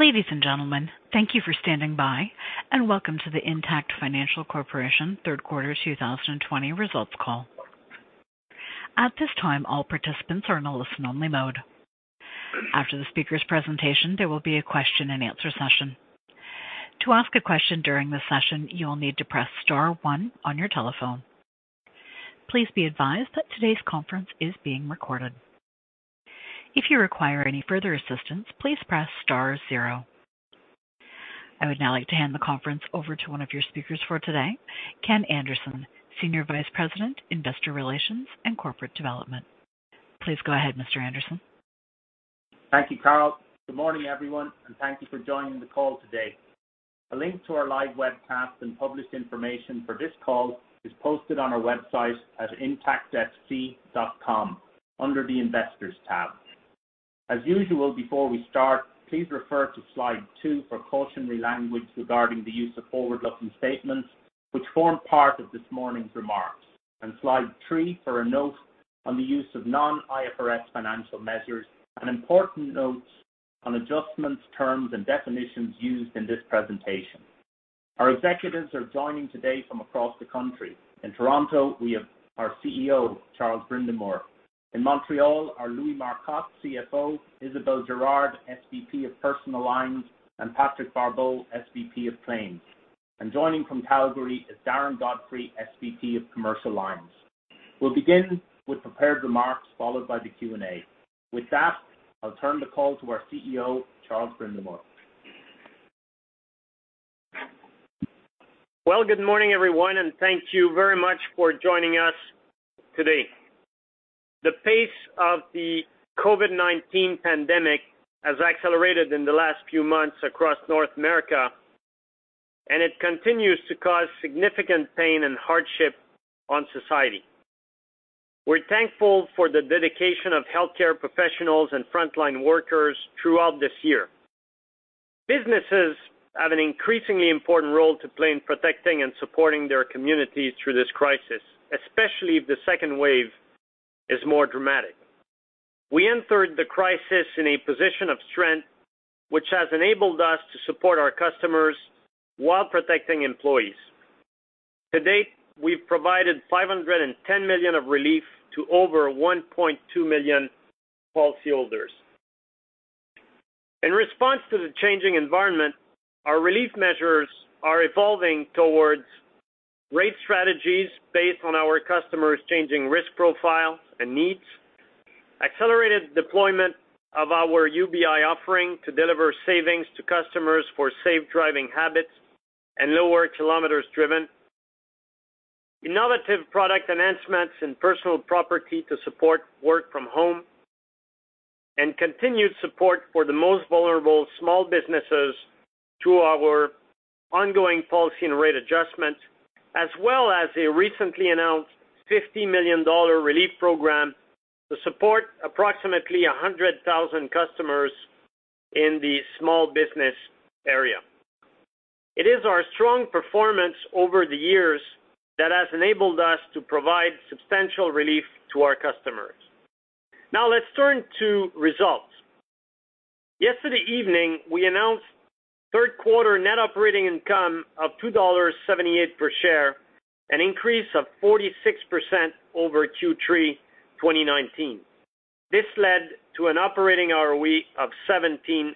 Ladies and gentlemen, thank you for standing by, and welcome to the Intact Financial Corporation third quarter 2020 results call. At this time, all participants are in a listen-only mode. After the speaker's presentation, there will be a question-and-answer session. To ask a question during the session, you will need to press star one on your telephone. Please be advised that today's conference is being recorded. If you require any further assistance, please press star zero. I would now like to hand the conference over to one of your speakers for today, Ken Anderson, Senior Vice President, Investor Relations and Corporate Development. Please go ahead, Mr. Anderson. Thank you, Carol. Good morning, everyone, and thank you for joining the call today. A link to our live webcast and published information for this call is posted on our website at intactfc.com under the Investors tab. As usual, before we start, please refer to slide 2 for cautionary language regarding the use of forward-looking statements, which form part of this morning's remarks, and slide 3 for a note on the use of non-IFRS financial measures and important notes on adjustments, terms, and definitions used in this presentation. Our executives are joining today from across the country. In Toronto, we have our CEO, Charles Brindamour. In Montreal, are Louis Marcotte, CFO, Isabelle Girard, SVP of Personal Lines, and Patrick Barbeau, SVP of Claims. And joining from Calgary is Darren Godfrey, SVP of Commercial Lines. We'll begin with prepared remarks, followed by the Q&A. With that, I'll turn the call to our CEO, Charles Brindamour. Well, good morning, everyone, and thank you very much for joining us today. The pace of the COVID-19 pandemic has accelerated in the last few months across North America, and it continues to cause significant pain and hardship on society. We're thankful for the dedication of healthcare professionals and frontline workers throughout this year. Businesses have an increasingly important role to play in protecting and supporting their communities through this crisis, especially if the second wave is more dramatic. We entered the crisis in a position of strength, which has enabled us to support our customers while protecting employees. To date, we've provided 510 million of relief to over 1.2 million policyholders. In response to the changing environment, our relief measures are evolving towards rate strategies based on our customers' changing risk profile and needs, accelerated deployment of our UBI offering to deliver savings to customers for safe driving habits and lower kilometers driven, innovative product enhancements in personal property to support work from home, and continued support for the most vulnerable small businesses through our ongoing policy and rate adjustments, as well as a recently announced 50 million dollar relief program to support approximately 100,000 customers in the small business area. It is our strong performance over the years that has enabled us to provide substantial relief to our customers. Now, let's turn to results. Yesterday evening, we announced third quarter net operating income of 2.78 dollars per share, an increase of 46% over Q3 2019. This led to an operating ROE of 17%.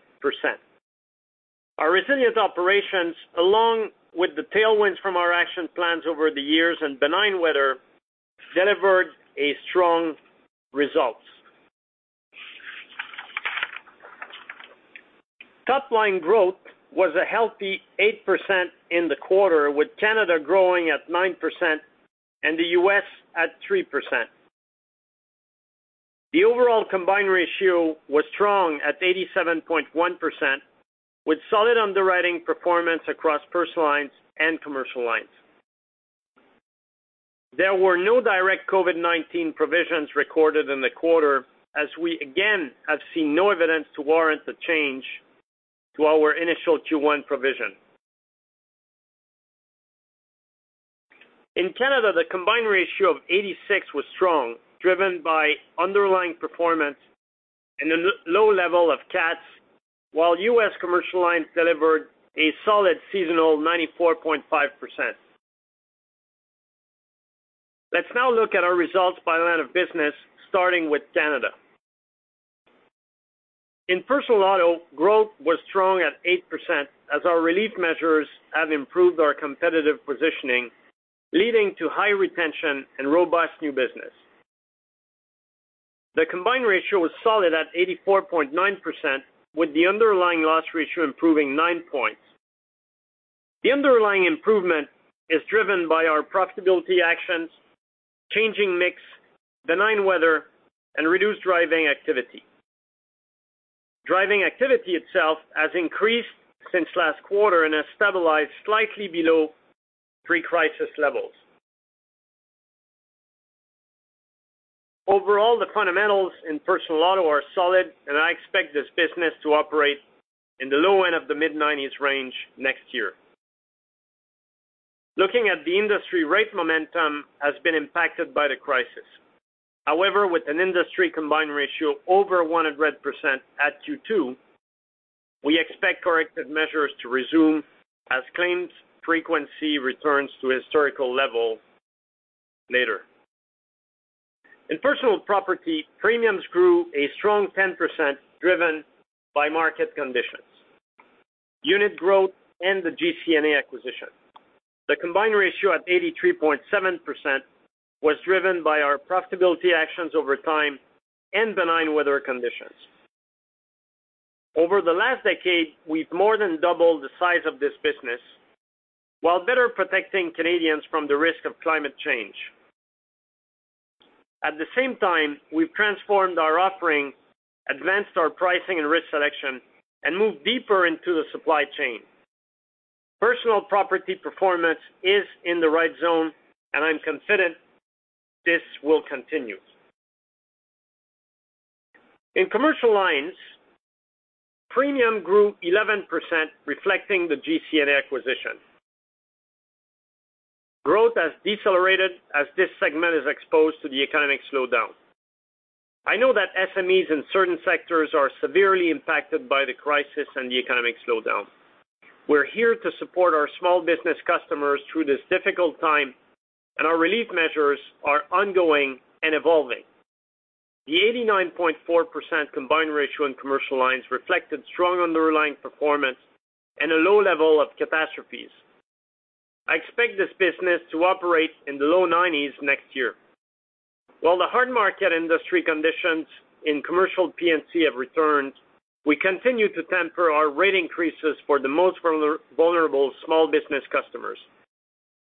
Our resilient operations, along with the tailwinds from our action plans over the years and benign weather, delivered a strong results. Top line growth was a healthy 8% in the quarter, with Canada growing at 9% and the U.S. at 3%. The overall combined ratio was strong at 87.1%, with solid underwriting performance across personal lines and commercial lines. There were no direct COVID-19 provisions recorded in the quarter, as we again have seen no evidence to warrant the change to our initial Q1 provision. In Canada, the combined ratio of 86 was strong, driven by underlying performance and a low level of CATs, while U.S. commercial lines delivered a solid seasonal 94.5%. Let's now look at our results by line of business, starting with Canada. In personal auto, growth was strong at 8%, as our relief measures have improved our competitive positioning, leading to high retention and robust new business. The combined ratio was solid at 84.9%, with the underlying loss ratio improving 9 points. The underlying improvement is driven by our profitability actions, changing mix, benign weather, and reduced driving activity. Driving activity itself has increased since last quarter and has stabilized slightly below pre-crisis levels. Overall, the fundamentals in personal auto are solid, and I expect this business to operate in the low end of the mid-90s range next year. Looking at the industry rate momentum has been impacted by the crisis. However, with an industry combined ratio over 100% at Q2, we expect corrective measures to resume as claims frequency returns to historical level later. In personal property, premiums grew a strong 10%, driven by market conditions, unit growth, and the GCNA acquisition. The combined ratio at 83.7% was driven by our profitability actions over time and benign weather conditions. Over the last decade, we've more than doubled the size of this business, while better protecting Canadians from the risk of climate change. At the same time, we've transformed our offering, advanced our pricing and risk selection, and moved deeper into the supply chain. Personal property performance is in the right zone, and I'm confident this will continue. In commercial lines, premium grew 11%, reflecting the GCNA acquisition. Growth has decelerated as this segment is exposed to the economic slowdown. I know that SMEs in certain sectors are severely impacted by the crisis and the economic slowdown. We're here to support our small business customers through this difficult time, and our relief measures are ongoing and evolving. The 89.4% combined ratio in commercial lines reflected strong underlying performance and a low level of catastrophes. I expect this business to operate in the low 90s next year. While the hard market industry conditions in commercial P&C have returned, we continue to temper our rate increases for the most vulnerable small business customers.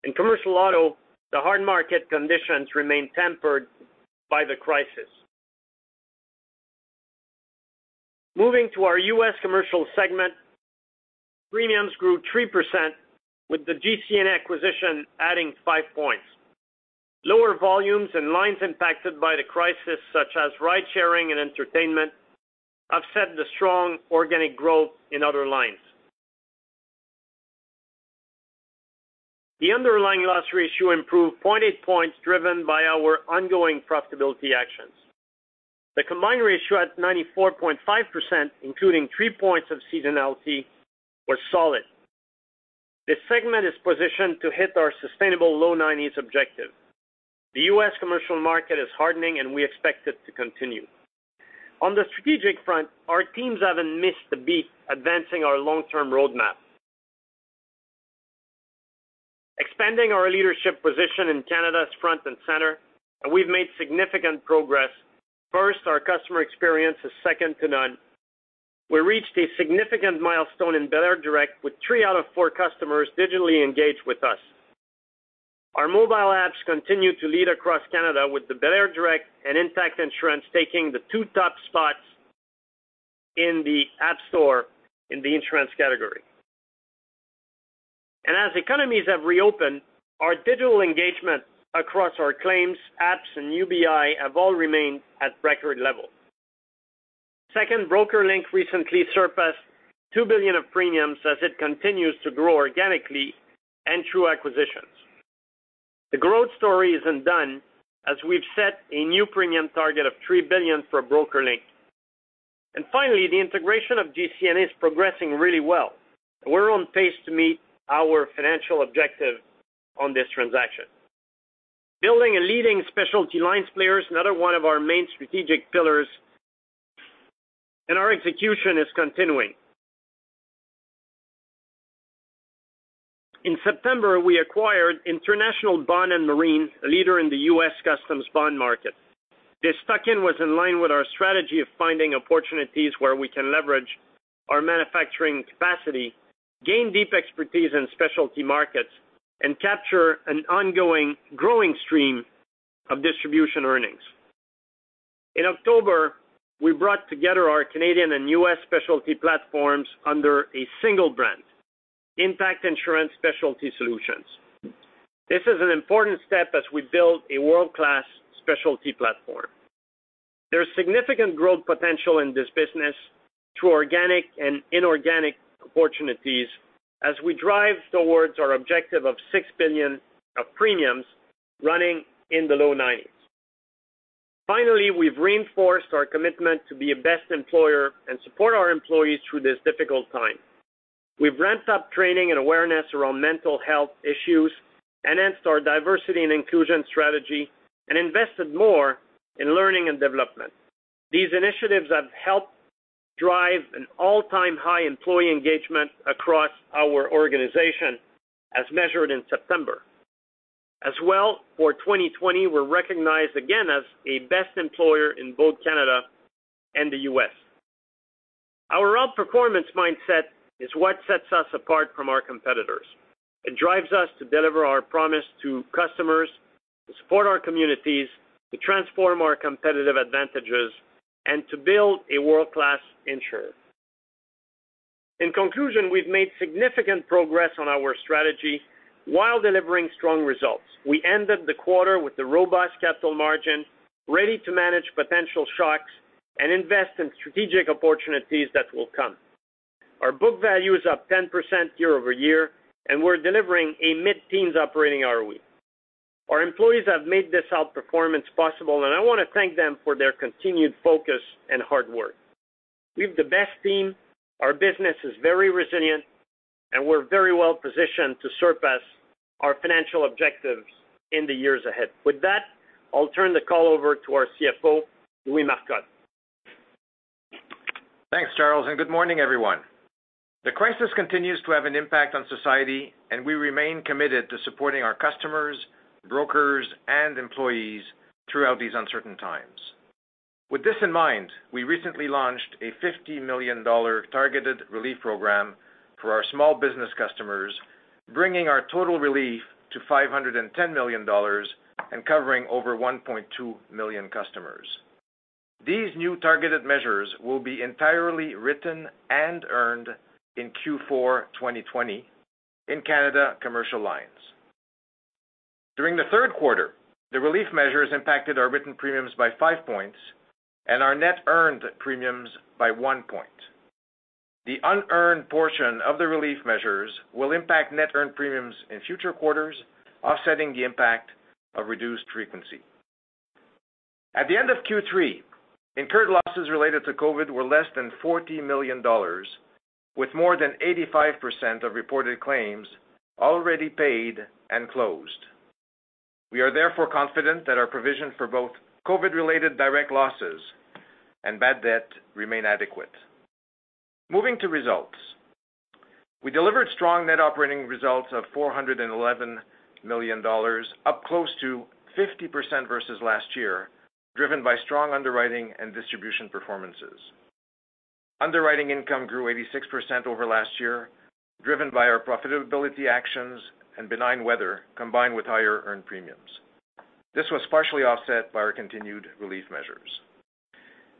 In commercial auto, the hard market conditions remain tempered by the crisis. Moving to our U.S. commercial segment, premiums grew 3%, with the GCNA acquisition adding 5 points. Lower volumes and lines impacted by the crisis, such as ride-sharing and entertainment, offset the strong organic growth in other lines. The underlying loss ratio improved 0.8 points, driven by our ongoing profitability actions. The combined ratio at 94.5%, including 3 points of seasonality, were solid. This segment is positioned to hit our sustainable low 90s objective. The U.S. commercial market is hardening, and we expect it to continue. On the strategic front, our teams haven't missed a beat advancing our long-term roadmap. Expanding our leadership position in Canada is front and center, and we've made significant progress. First, our customer experience is second to none. We reached a significant milestone in belairdirect, with three out of four customers digitally engaged with us. Our mobile apps continue to lead across Canada, with the belairdirect and Intact Insurance taking the two top spots in the App Store in the insurance category. And as economies have reopened, our digital engagement across our claims, apps, and UBI have all remained at record level. Second, BrokerLink recently surpassed 2 billion of premiums as it continues to grow organically and through acquisitions. The growth story isn't done, as we've set a new premium target of 3 billion for BrokerLink. And finally, the integration of GCNA is progressing really well. We're on pace to meet our financial objective on this transaction. Building a leading specialty lines player is another one of our main strategic pillars, and our execution is continuing. In September, we acquired International Bond & Marine, a leader in the U.S. customs bond market. This tuck-in was in line with our strategy of finding opportunities where we can leverage our manufacturing capacity, gain deep expertise in specialty markets, and capture an ongoing growing stream of distribution earnings. In October, we brought together our Canadian and U.S. specialty platforms under a single brand, Intact Insurance Specialty Solutions. This is an important step as we build a world-class specialty platform. There's significant growth potential in this business through organic and inorganic opportunities as we drive towards our objective of 6 billion of premiums running in the low 90s. Finally, we've reinforced our commitment to be a best employer and support our employees through this difficult time. We've ramped up training and awareness around mental health issues, enhanced our diversity and inclusion strategy, and invested more in learning and development. These initiatives have helped drive an all-time high employee engagement across our organization, as measured in September. As well, for 2020, we're recognized again as a best employer in both Canada and the U.S. Our outperformance mindset is what sets us apart from our competitors. It drives us to deliver our promise to customers, to support our communities, to transform our competitive advantages, and to build a world-class insurer. In conclusion, we've made significant progress on our strategy while delivering strong results. We ended the quarter with a robust capital margin, ready to manage potential shocks and invest in strategic opportunities that will come. Our book value is up 10% year-over-year, and we're delivering a mid-teens operating ROE. Our employees have made this outperformance possible, and I want to thank them for their continued focus and hard work. We have the best team, our business is very resilient, and we're very well positioned to surpass our financial objectives in the years ahead. With that, I'll turn the call over to our CFO, Louis Marcotte. Thanks, Charles, and good morning, everyone. The crisis continues to have an impact on society, and we remain committed to supporting our customers, brokers, and employees throughout these uncertain times. With this in mind, we recently launched a 50 million dollar targeted relief program for our small business customers, bringing our total relief to 510 million dollars and covering over 1.2 million customers. These new targeted measures will be entirely written and earned in Q4 2020 in Canada Commercial Lines. During the third quarter, the relief measures impacted our written premiums by 5 points and our net earned premiums by 1 point. The unearned portion of the relief measures will impact net earned premiums in future quarters, offsetting the impact of reduced frequency. At the end of Q3, incurred losses related to COVID were less than 40 million dollars, with more than 85% of reported claims already paid and closed. We are therefore confident that our provision for both COVID-related direct losses and bad debt remain adequate. Moving to results. We delivered strong net operating results of 411 million dollars, up close to 50% versus last year, driven by strong underwriting and distribution performances. Underwriting income grew 86% over last year, driven by our profitability actions and benign weather, combined with higher earned premiums. This was partially offset by our continued relief measures.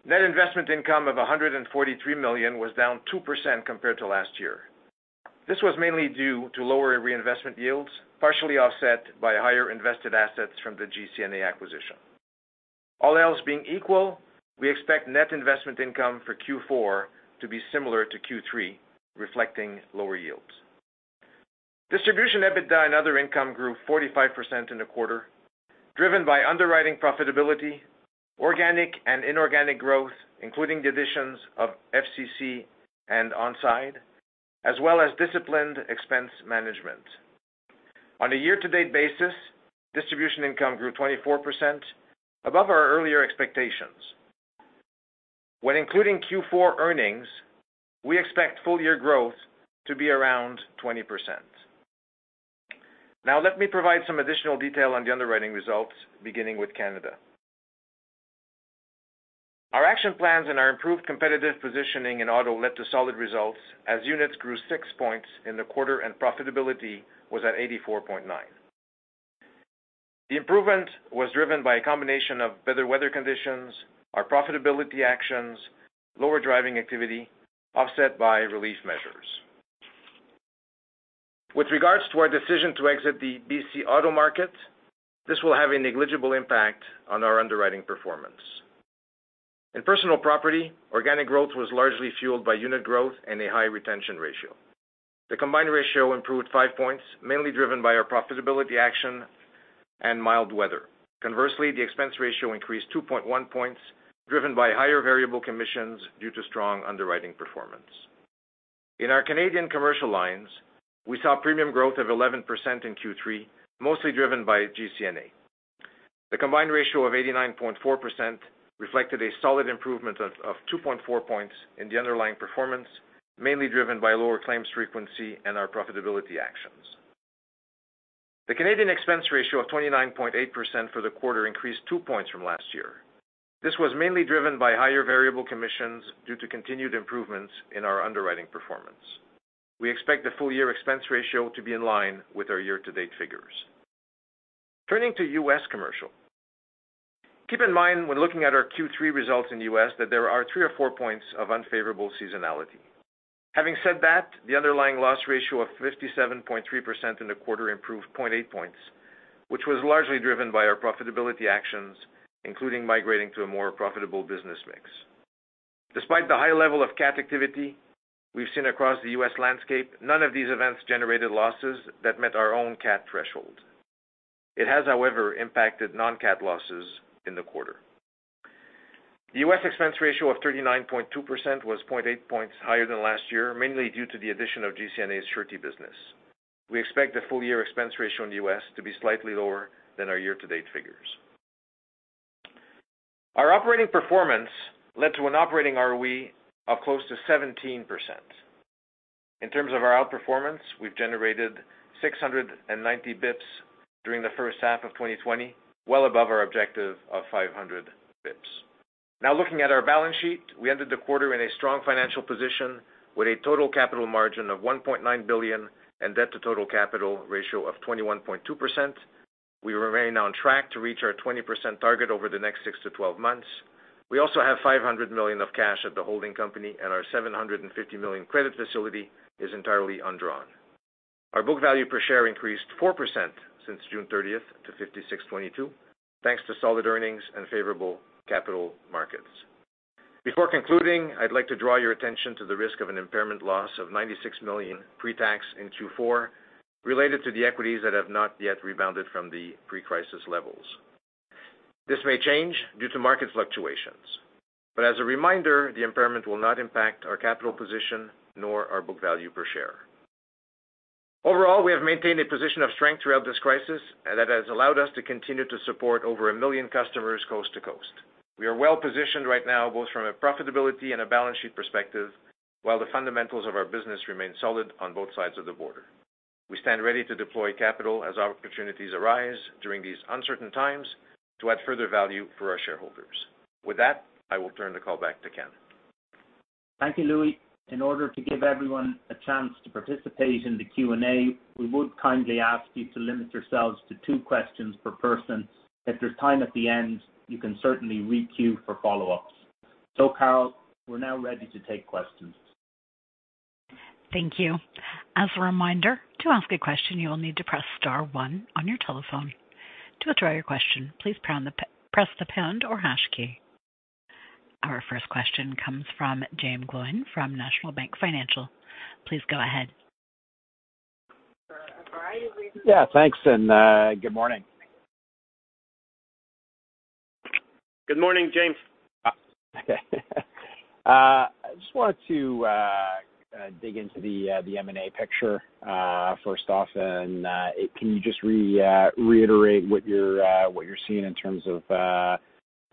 Net investment income of 143 million was down 2% compared to last year. This was mainly due to lower reinvestment yields, partially offset by higher invested assets from the GCNA acquisition. All else being equal, we expect net investment income for Q4 to be similar to Q3, reflecting lower yields. Distribution EBITDA, and other income grew 45% in the quarter, driven by underwriting profitability, organic and inorganic growth, including the additions of FCC and On Side, as well as disciplined expense management. On a year-to-date basis, distribution income grew 24%, above our earlier expectations. When including Q4 earnings, we expect full year growth to be around 20%. Now, let me provide some additional detail on the underwriting results, beginning with Canada. Our action plans and our improved competitive positioning in auto led to solid results, as units grew 6 points in the quarter and profitability was at 84.9. The improvement was driven by a combination of better weather conditions, our profitability actions, lower driving activity, offset by relief measures. With regards to our decision to exit the BC auto market, this will have a negligible impact on our underwriting performance. In personal property, organic growth was largely fueled by unit growth and a high retention ratio. The combined ratio improved 5 points, mainly driven by our profitability action and mild weather. Conversely, the expense ratio increased 2.1 points, driven by higher variable commissions due to strong underwriting performance. In our Canadian commercial lines, we saw premium growth of 11% in Q3, mostly driven by GCNA. The combined ratio of 89.4% reflected a solid improvement of two point four points in the underlying performance, mainly driven by lower claims frequency and our profitability actions. The Canadian expense ratio of 29.8% for the quarter increased 2 points from last year. This was mainly driven by higher variable commissions due to continued improvements in our underwriting performance. We expect the full year expense ratio to be in line with our year-to-date figures. Turning to U.S. commercial. Keep in mind, when looking at our Q3 results in the U.S., that there are 3 or 4 points of unfavorable seasonality. Having said that, the underlying loss ratio of 57.3% in the quarter improved 0.8 points, which was largely driven by our profitability actions, including migrating to a more profitable business mix. Despite the high level of cat activity we've seen across the U.S. landscape, none of these events generated losses that met our own cat threshold. It has, however, impacted non-cat losses in the quarter. The U.S. expense ratio of 39.2% was 0.8 points higher than last year, mainly due to the addition of GCNA's surety business. We expect the full year expense ratio in the U.S. to be slightly lower than our year-to-date figures. Our operating performance led to an operating ROE of close to 17%. In terms of our outperformance, we've generated 690 bps during the first half of 2020, well above our objective of 500 bps. Now, looking at our balance sheet, we ended the quarter in a strong financial position with a total capital margin of 1.9 billion and debt to total capital ratio of 21.2%. We remain on track to reach our 20% target over the next 6-12 months. We also have 500 million of cash at the holding company, and our 750 million credit facility is entirely undrawn. Our book value per share increased 4% since June 30th to 56.22, thanks to solid earnings and favorable capital markets. Before concluding, I'd like to draw your attention to the risk of an impairment loss of 96 million pre-tax in Q4, related to the equities that have not yet rebounded from the pre-crisis levels. This may change due to market fluctuations, but as a reminder, the impairment will not impact our capital position nor our book value per share. Overall, we have maintained a position of strength throughout this crisis, and that has allowed us to continue to support over 1 million customers coast to coast. We are well positioned right now, both from a profitability and a balance sheet perspective, while the fundamentals of our business remain solid on both sides of the border. We stand ready to deploy capital as opportunities arise during these uncertain times, to add further value for our shareholders. With that, I will turn the call back to Ken. Thank you, Louis. In order to give everyone a chance to participate in the Q&A, we would kindly ask you to limit yourselves to two questions per person. If there's time at the end, you can certainly re-queue for follow-ups. Carol, we're now ready to take questions. Thank you. As a reminder, to ask a question, you will need to press star one on your telephone. To withdraw your question, please press the pound or hash key. Our first question comes from Jaeme Gloyn, from National Bank Financial. Please go ahead. Yeah, thanks, and good morning. Good morning, Jaeme. Ah, okay. I just wanted to dig into the M&A picture first off, and can you just reiterate what you're seeing in terms of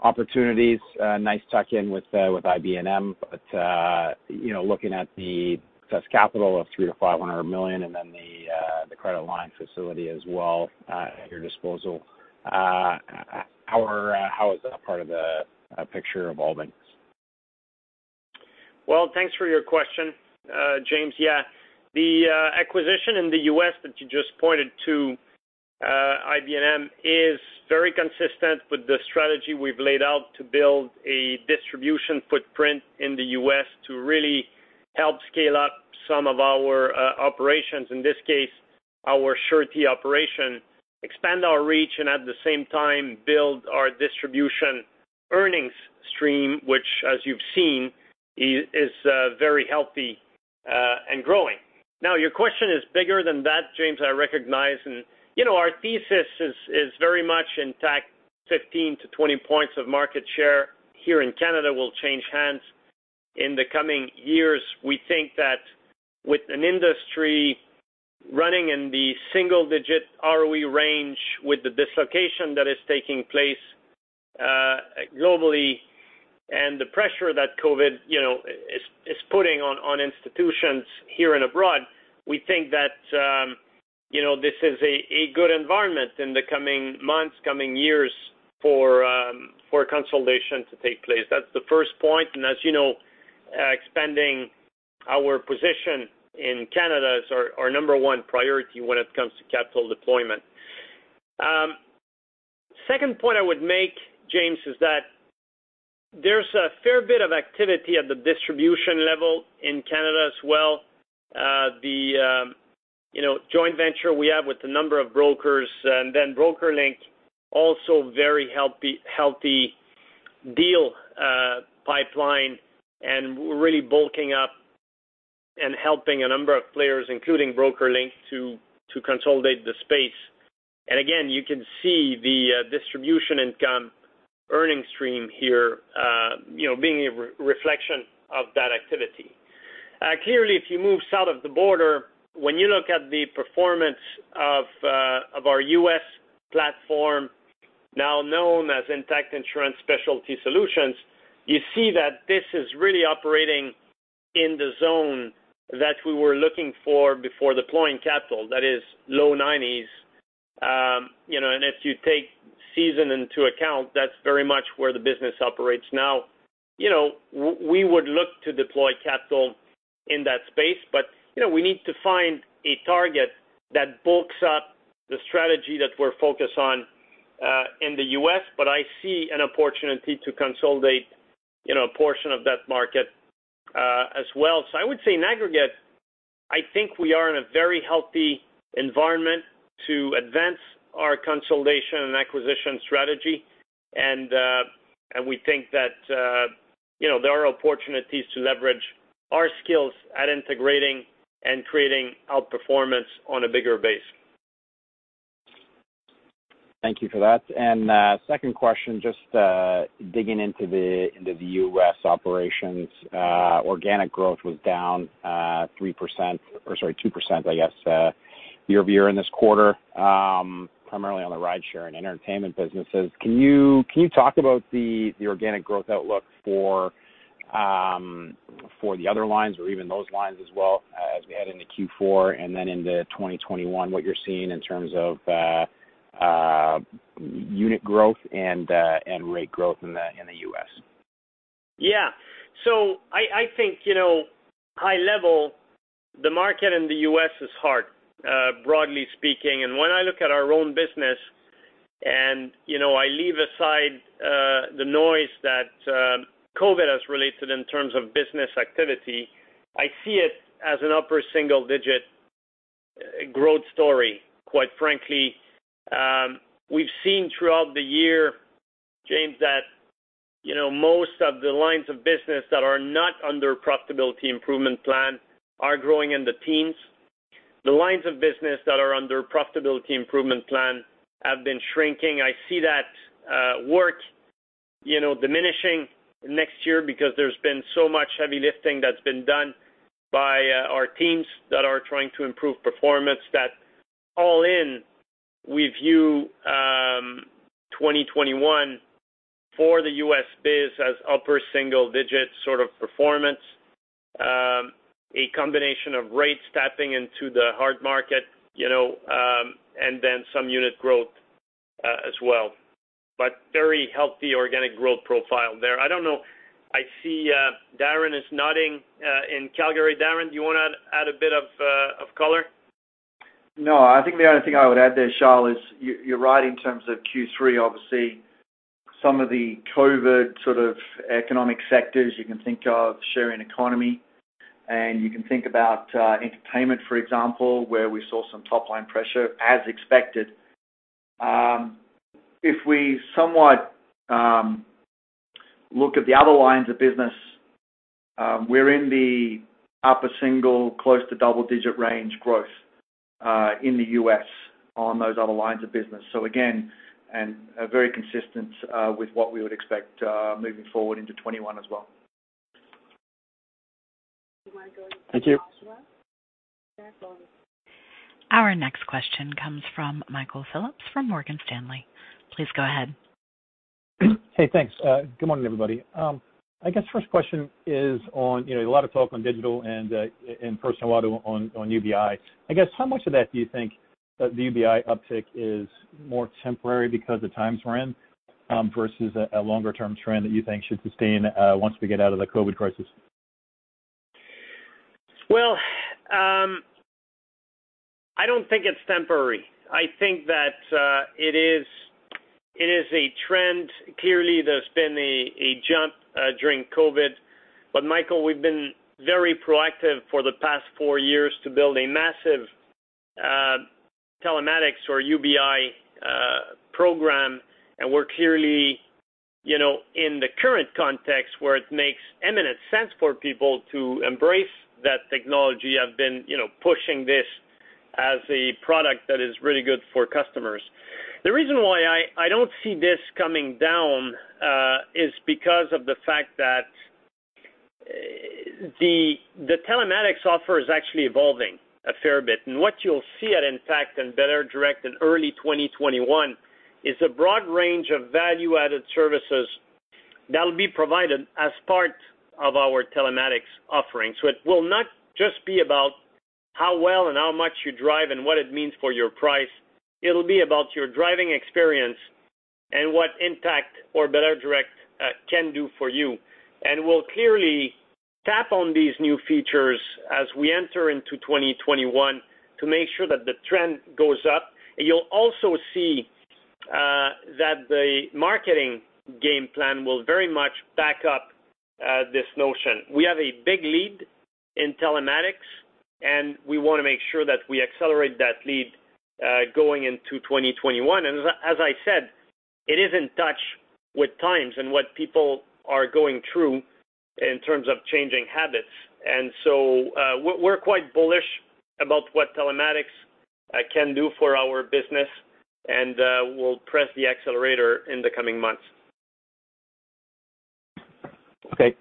opportunities? Nice tuck in with IB&M, but you know, looking at the excess capital of 300 million-500 million, and then the credit line facility as well at your disposal, how is that part of the picture evolving? Well, thanks for your question, Jaeme. Yeah, the acquisition in the U.S. that you just pointed to, IB&M, is very consistent with the strategy we've laid out to build a distribution footprint in the U.S. to really help scale up some of our operations, in this case, our surety operation, expand our reach, and at the same time, build our distribution earnings stream, which, as you've seen, is very healthy and growing. Now, your question is bigger than that, Jaeme, I recognize. And, you know, our thesis is very much Intact 15-20 points of market share here in Canada will change hands in the coming years. We think that with an industry running in the single digit ROE range, with the dislocation that is taking place globally, and the pressure that COVID, you know, is putting on institutions here and abroad, we think that, you know, this is a good environment in the coming months, coming years, for consolidation to take place. That's the first point, and as you know, expanding our position in Canada is our number one priority when it comes to capital deployment. Second point I would make, Jaeme, is that there's a fair bit of activity at the distribution level in Canada as well. You know, the joint venture we have with a number of brokers, and then BrokerLink, also very healthy, healthy deal, pipeline, and we're really bulking up and helping a number of players, including BrokerLink, to consolidate the space. And again, you can see the distribution income earnings stream here, you know, being a reflection of that activity. Clearly, if you move south of the border, when you look at the performance of our U.S. platform, now known as Intact Insurance Specialty Solutions, you see that this is really operating in the zone that we were looking for before deploying capital, that is low nineties. You know, and if you take season into account, that's very much where the business operates. Now, you know, we would look to deploy capital in that space, but, you know, we need to find a target that bulks up the strategy that we're focused on, in the U.S., but I see an opportunity to consolidate, you know, a portion of that market, as well. So I would say in aggregate, I think we are in a very healthy environment to advance our consolidation and acquisition strategy, and, and we think that, you know, there are opportunities to leverage our skills at integrating and creating outperformance on a bigger base. Thank you for that. Second question, just digging into the U.S. operations. Organic growth was down 3%, or sorry, 2%, I guess, year-over-year in this quarter, primarily on the rideshare and entertainment businesses. Can you talk about the organic growth outlook for the other lines or even those lines as well, as we head into Q4, and then into 2021, what you're seeing in terms of unit growth and rate growth in the U.S.? Yeah. So I think, you know, high level, the market in the U.S. is hard, broadly speaking. And when I look at our own business and, you know, I leave aside that COVID has related in terms of business activity, I see it as an upper single digit growth story, quite frankly. We've seen throughout the year, James, that, you know, most of the lines of business that are not under profitability improvement plan are growing in the teens. The lines of business that are under profitability improvement plan have been shrinking. I see that work, you know, diminishing next year because there's been so much heavy lifting that's been done by our teams that are trying to improve performance that all in, we view 2021 for the U.S. biz as upper single digits sort of performance. A combination of rates tapping into the hard market, you know, and then some unit growth, as well, but very healthy organic growth profile there. I don't know. I see Darren is nodding in Calgary. Darren, do you want to add a bit of color? No, I think the only thing I would add there, Charles, is you're right in terms of Q3. Obviously, some of the COVID sort of economic sectors, you can think of sharing economy, and you can think about entertainment, for example, where we saw some top line pressure as expected. If we somewhat look at the other lines of business, we're in the upper single, close to double digit range growth in the U.S. on those other lines of business. So again, and very consistent with what we would expect moving forward into 2021 as well. Thank you. Our next question comes from Michael Phillips, from Morgan Stanley. Please go ahead. Hey, thanks. Good morning, everybody. I guess first question is on, you know, a lot of talk on digital and, and personal auto on, on UBI. I guess, how much of that do you think that the UBI uptick is more temporary because the times we're in, versus a, a longer term trend that you think should sustain, once we get out of the COVID crisis? Well, I don't think it's temporary. I think that it is, it is a trend. Clearly, there's been a jump during COVID, but Michael, we've been very proactive for the past four years to build a massive telematics or UBI program. And we're clearly, you know, in the current context, where it makes eminent sense for people to embrace that technology have been, you know, pushing this as a product that is really good for customers. The reason why I don't see this coming down is because of the fact that the telematics offer is actually evolving a fair bit. And what you'll see at Intact and belairdirect in early 2021 is a broad range of value added services that will be provided as part of our telematics offerings. So it will not just be about how well and how much you drive and what it means for your price. It'll be about your driving experience and what Intact or belairdirect can do for you. And we'll clearly tap on these new features as we enter into 2021 to make sure that the trend goes up. And you'll also see that the marketing game plan will very much back up this notion. We have a big lead in telematics, and we want to make sure that we accelerate that lead going into 2021. And as I said, it is in touch with times and what people are going through in terms of changing habits. And so we're quite bullish about what telematics can do for our business, and we'll press the accelerator in the coming months. Okay,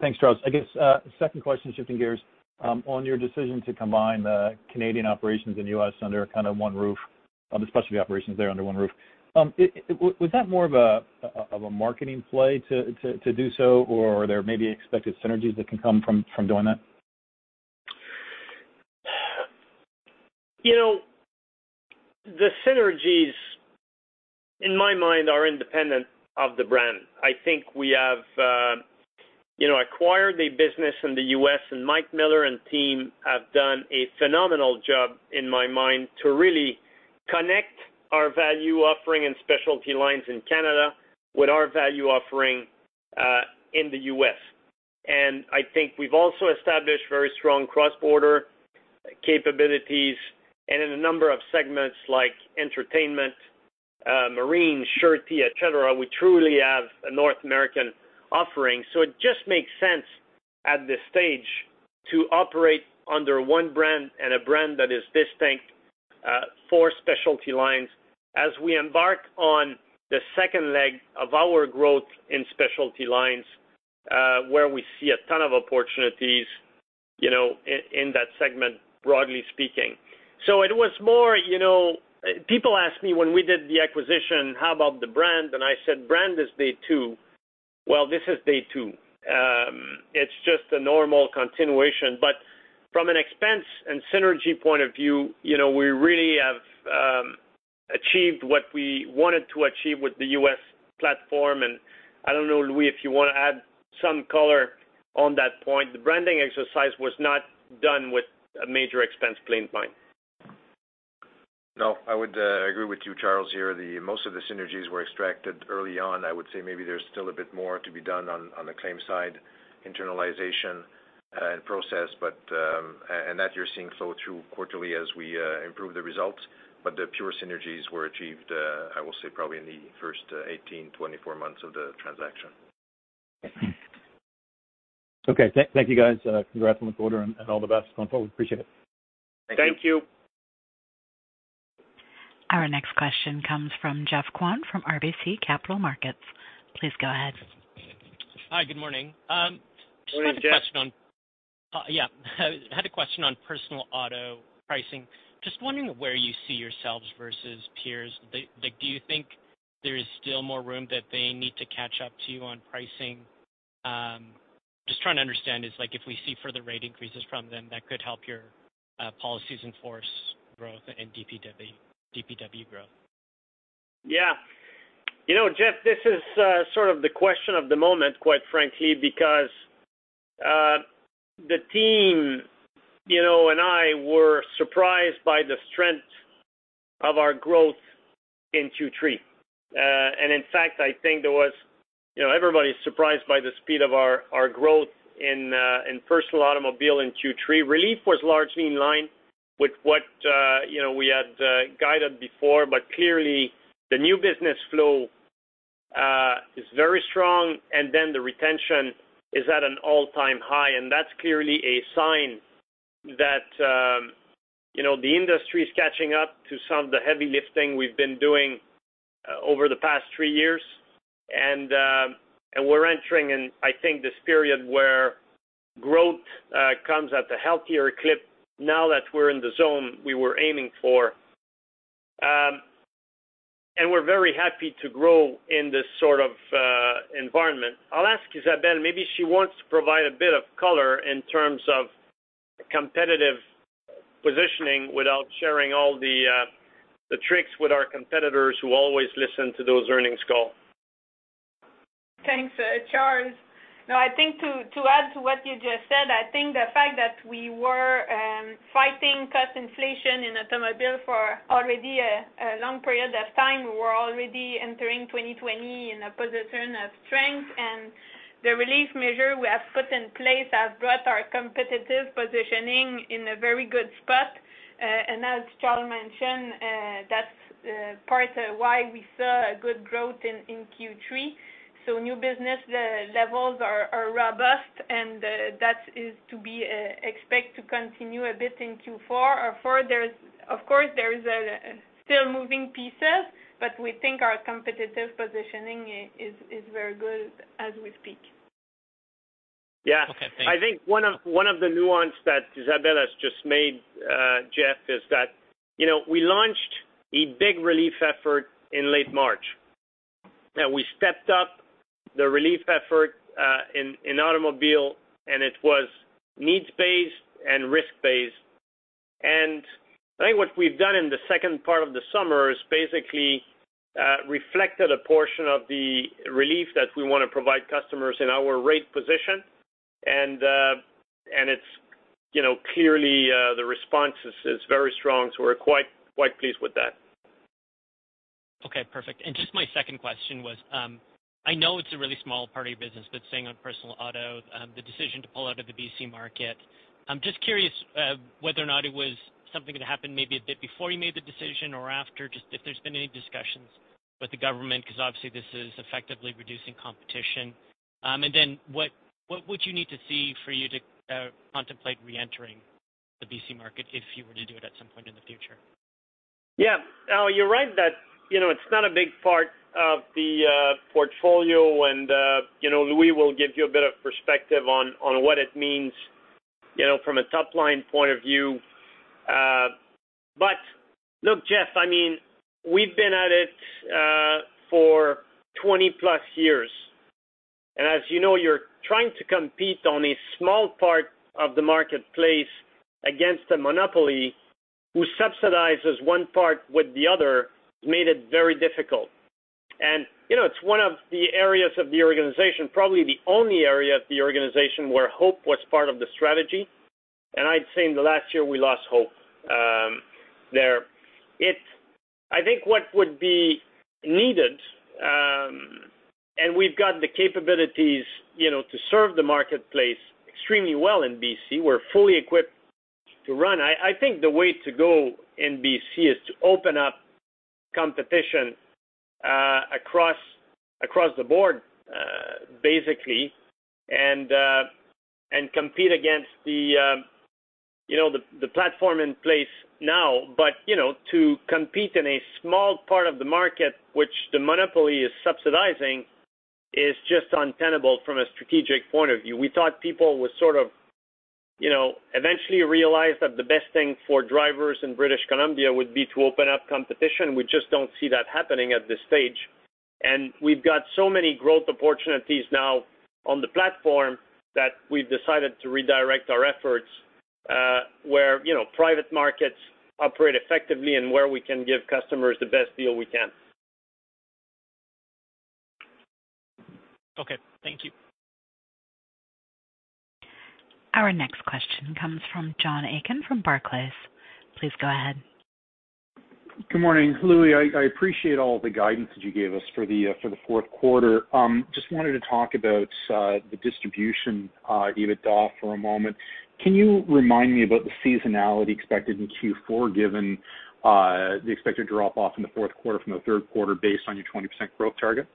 thanks, Charles. I guess the second question, shifting gears, on your decision to combine the Canadian operations in the U.S. under kind of one roof, especially the operations there under one roof. Was that more of a marketing play to do so, or are there maybe expected synergies that can come from doing that? You know, the synergies, in my mind, are independent of the brand. I think we have, you know, acquired a business in the U.S., and Mike Miller and team have done a phenomenal job, in my mind, to really connect our value offering and specialty lines in Canada with our value offering, in the U.S. And I think we've also established very strong cross-border capabilities and in a number of segments like entertainment, marine, surety, et cetera, we truly have a North American offering. So it just makes sense at this stage to operate under one brand and a brand that is distinct, for specialty lines. As we embark on the second leg of our growth in specialty lines, where we see a ton of opportunities, you know, in that segment, broadly speaking. So it was more, you know, people asked me when we did the acquisition, how about the brand? And I said, brand is day two. Well, this is day two. It's just a normal continuation, but from an expense and synergy point of view, you know, we really have achieved what we wanted to achieve with the U.S. platform. And I don't know, Louis, if you want to add some color on that point. The branding exercise was not done with a major expense plan. No, I would agree with you, Charles, here. The most of the synergies were extracted early on. I would say maybe there's still a bit more to be done on the claims side, internalization, and process. But, and that you're seeing flow through quarterly as we improve the results. But the pure synergies were achieved, I will say, probably in the first 18-24 months of the transaction. Okay. Thank you, guys. Congrats on the quarter and all the best going forward. Appreciate it. Thank you. Thank you. Our next question comes from Geoffrey Kwan from RBC Capital Markets. Please go ahead. Hi, good morning. Good morning, Jeff. Just had a question on personal auto pricing. Just wondering where you see yourselves versus peers. Like, do you think there is still more room that they need to catch up to you on pricing? Just trying to understand, like, if we see further rate increases from them, that could help your policies in force growth and DPW, DPW growth. Yeah. You know, Jeff, this is sort of the question of the moment, quite frankly, because the team, you know, and I were surprised by the strength of our growth in Q3. And in fact, I think there was, you know, everybody is surprised by the speed of our growth in personal automobile in Q3. Retention was largely in line with what, you know, we had guided before, but clearly, the new business flow is very strong, and then the retention is at an all-time high. And that's clearly a sign that, you know, the industry is catching up to some of the heavy lifting we've been doing over the past three years. And we're entering in, I think, this period where growth comes at a healthier clip now that we're in the zone we were aiming for. And we're very happy to grow in this sort of environment. I'll ask Isabelle, maybe she wants to provide a bit of color in terms of competitive positioning without sharing all the tricks with our competitors who always listen to those earnings call. Thanks, Charles. No, I think to add to what you just said, I think the fact that we were fighting cost inflation in automobile for already a long period of time, we were already entering 2020 in a position of strength. And the relief measure we have put in place has brought our competitive positioning in a very good spot. And as Charles mentioned, that's part of why we saw a good growth in Q3. So new business, the levels are robust, and that is to be expect to continue a bit in Q4. Or for there's-- of course, there is still moving pieces, but we think our competitive positioning is very good as we speak. Yeah. Okay, thanks. I think one of the nuance that Isabelle has just made, Geoff, is that, you know, we launched a big relief effort in late March. Now, we stepped up the relief effort in automobile, and it was needs-based and risk-based. I think what we've done in the second part of the summer is basically reflected a portion of the relief that we want to provide customers in our rate position. And it's, you know, clearly the response is very strong, so we're quite pleased with that. Okay, perfect. And just my second question was, I know it's a really small part of your business, but staying on personal auto, the decision to pull out of the BC market, I'm just curious, whether or not it was something that happened maybe a bit before you made the decision or after, just if there's been any discussions with the government, because obviously, this is effectively reducing competition. And then what would you need to see for you to contemplate reentering the BC market if you were to do it at some point in the future? Yeah. Now, you're right that, you know, it's not a big part of the portfolio and, you know, Louis will give you a bit of perspective on what it means, you know, from a top-line point of view. But look, Jeff, I mean, we've been at it for 20+ years. And as you know, you're trying to compete on a small part of the marketplace against a monopoly who subsidizes one part with the other, made it very difficult. And, you know, it's one of the areas of the organization, probably the only area of the organization, where hope was part of the strategy, and I'd say in the last year, we lost hope there. I think what would be needed, and we've got the capabilities, you know, to serve the marketplace extremely well in BC. We're fully equipped to run. I think the way to go in BC is to open up competition, across the board, basically, and compete against the, you know, the platform in place now. But, you know, to compete in a small part of the market, which the monopoly is subsidizing, is just untenable from a strategic point of view. We thought people would sort of, you know, eventually realize that the best thing for drivers in British Columbia would be to open up competition. We just don't see that happening at this stage. And we've got so many growth opportunities now on the platform that we've decided to redirect our efforts, where, you know, private markets operate effectively and where we can give customers the best deal we can. Our next question comes from John Aiken from Barclays. Please go ahead. Good morning, Louis. I appreciate all the guidance that you gave us for the fourth quarter. Just wanted to talk about the distribution EBITDA for a moment. Can you remind me about the seasonality expected in Q4, given the expected drop off in the fourth quarter from the third quarter based on your 20% growth target?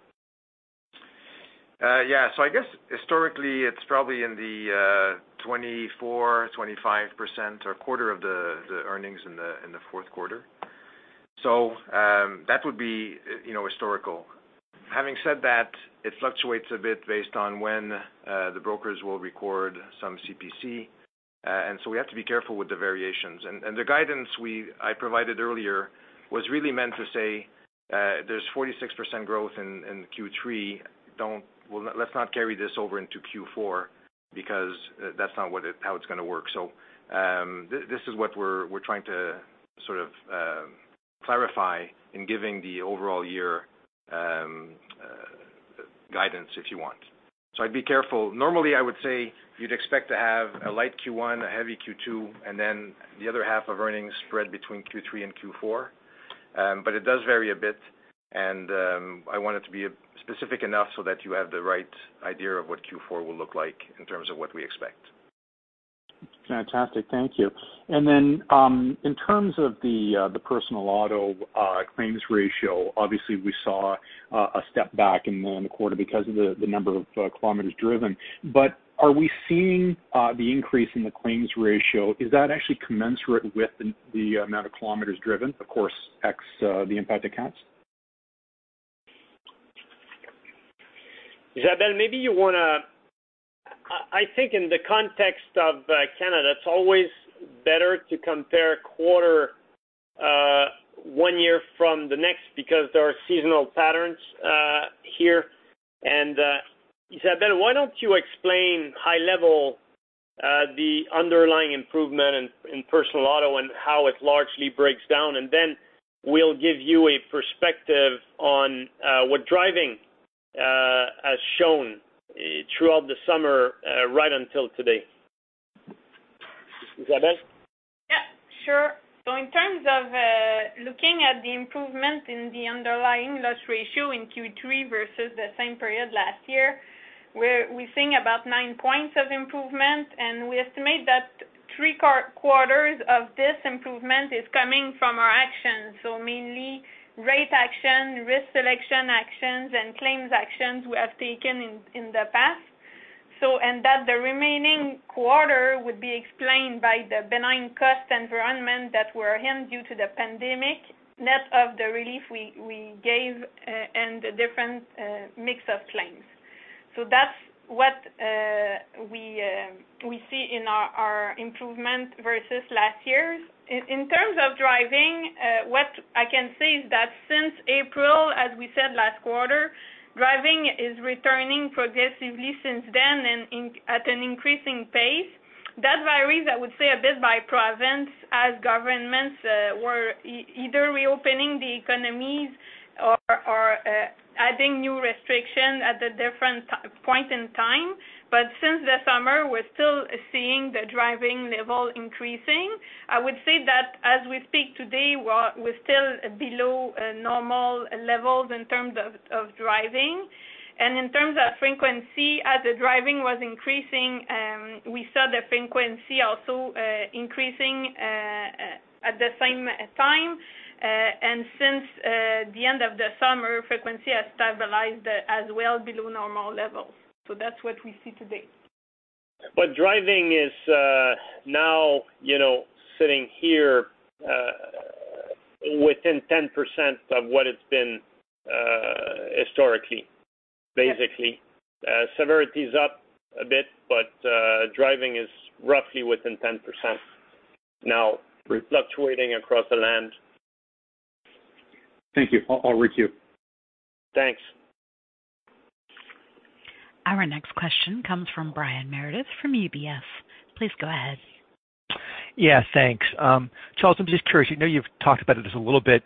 Yeah. So I guess historically, it's probably in the 24-25% or quarter of the earnings in the fourth quarter. So that would be, you know, historical. Having said that, it fluctuates a bit based on when the brokers will record some CPC. And so we have to be careful with the variations. And the guidance I provided earlier was really meant to say, there's 46% growth in Q3, don't well, let's not carry this over into Q4, because that's not what it- how it's gonna work. So this is what we're trying to sort of clarify in giving the overall year guidance, if you want. So I'd be careful. Normally, I would say you'd expect to have a light Q1, a heavy Q2, and then the other half of earnings spread between Q3 and Q4. But it does vary a bit, and I want it to be specific enough so that you have the right idea of what Q4 will look like in terms of what we expect. Fantastic. Thank you. And then, in terms of the personal auto claims ratio, obviously, we saw a step back in the quarter because of the number of kilometers driven. But are we seeing the increase in the claims ratio? Is that actually commensurate with the amount of kilometers driven, of course, ex the impact accounts? Isabelle, maybe you wanna... I think in the context of Canada, it's always better to compare quarter one year from the next, because there are seasonal patterns here. Isabelle, why don't you explain high level the underlying improvement in personal auto and how it largely breaks down, and then we'll give you a perspective on what driving has shown, eh, throughout the summer right until today. Isabelle? Yeah, sure. So in terms of looking at the improvement in the underlying loss ratio in Q3 versus the same period last year, we're seeing about nine points of improvement, and we estimate that three quarters of this improvement is coming from our actions. So mainly rate action, risk selection actions, and claims actions we have taken in the past. And that the remaining quarter would be explained by the benign cost environment that we're in due to the pandemic, net of the relief we gave, and the different mix of claims. So that's what we see in our improvement versus last year's. In terms of driving, what I can say is that since April, as we said last quarter, driving is returning progressively since then and at an increasing pace. That varies, I would say, a bit by province, as governments were either reopening the economies or adding new restrictions at a different point in time. But since the summer, we're still seeing the driving level increasing. I would say that as we speak today, we're still below normal levels in terms of driving. And in terms of frequency, as the driving was increasing, we saw the frequency also increasing at the same time. And since the end of the summer, frequency has stabilized as well below normal levels. So that's what we see today. But driving is, now, you know, sitting here, within 10% of what it's been, historically, basically. Yeah. Severity is up a bit, but driving is roughly within 10% now fluctuating across the land. Thank you. I'll requeue. Thanks. Our next question comes from Brian Meredith, from UBS. Please go ahead. Yeah, thanks. Charles, I'm just curious. I know you've talked about it just a little bit,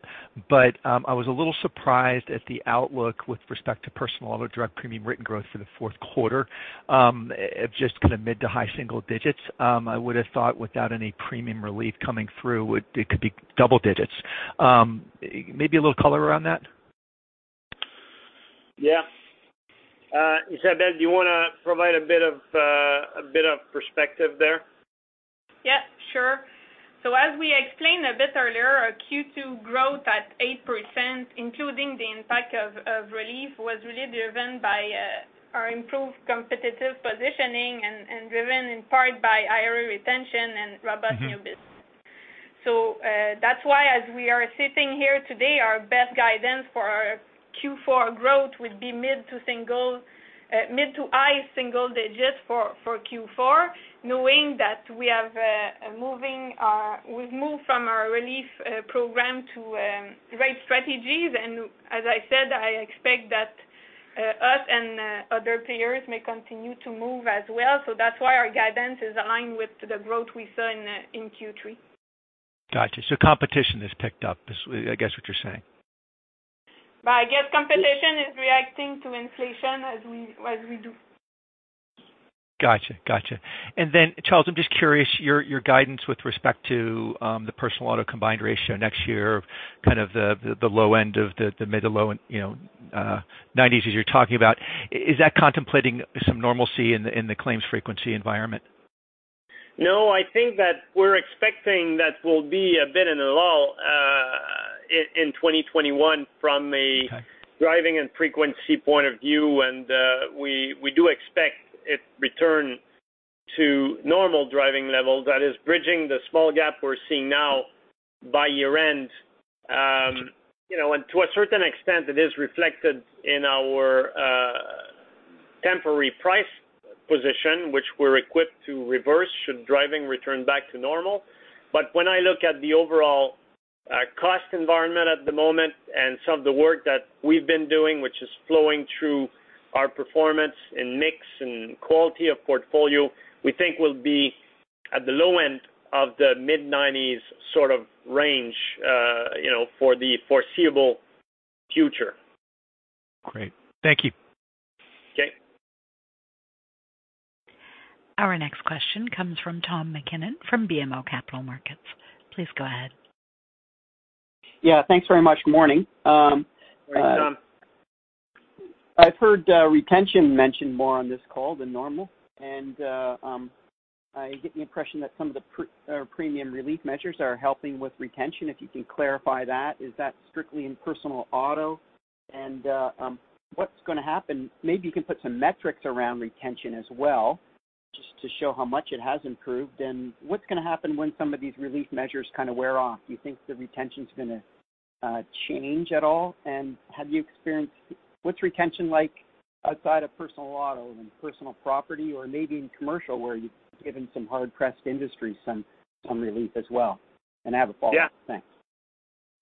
but I was a little surprised at the outlook with respect to personal auto direct premium written growth for the fourth quarter at just kind of mid to high single digits. I would have thought without any premium relief coming through, it could be double digits. Maybe a little color around that? Yeah. Isabelle, do you wanna provide a bit of, a bit of perspective there? Yeah, sure. So as we explained a bit earlier, our Q2 growth at 8%, including the impact of relief, was really driven by our improved competitive positioning and driven in part by higher retention and robust- Mm-hmm... new business. So, that's why, as we are sitting here today, our best guidance for our Q4 growth would be mid to high single digits for Q4, knowing that we've moved from our relief program to rate strategies. And as I said, I expect that us and other players may continue to move as well. So that's why our guidance is aligned with the growth we saw in Q3. Got you. So competition has picked up, is, I guess, what you're saying? ... But I guess competition is reacting to inflation as we, as we do. Gotcha, gotcha. And then, Charles, I'm just curious, your guidance with respect to the personal auto combined ratio next year, kind of the low end of the mid- to low 90s, you know, as you're talking about, is that contemplating some normalcy in the claims frequency environment? No, I think that we're expecting that will be a bit in a lull in 2021 from a- Okay... driving and frequency point of view, and, we do expect it return to normal driving level, that is bridging the small gap we're seeing now by year end. You know, and to a certain extent, it is reflected in our temporary price position, which we're equipped to reverse, should driving return back to normal. But when I look at the overall cost environment at the moment and some of the work that we've been doing, which is flowing through our performance in mix and quality of portfolio, we think we'll be at the low end of the mid-90s sort of range, you know, for the foreseeable future. Great. Thank you. Okay. Our next question comes from Tom MacKinnon from BMO Capital Markets. Please go ahead. Yeah, thanks very much. Morning. Morning, Tom. I've heard retention mentioned more on this call than normal, and I get the impression that some of the premium relief measures are helping with retention. If you can clarify that, is that strictly in personal auto? And what's gonna happen. Maybe you can put some metrics around retention as well, just to show how much it has improved. And what's gonna happen when some of these relief measures kind of wear off? Do you think the retention is gonna change at all? And have you experienced what's retention like outside of personal auto and personal property or maybe in commercial, where you've given some hard-pressed industries some relief as well? And I have a follow-up. Thanks.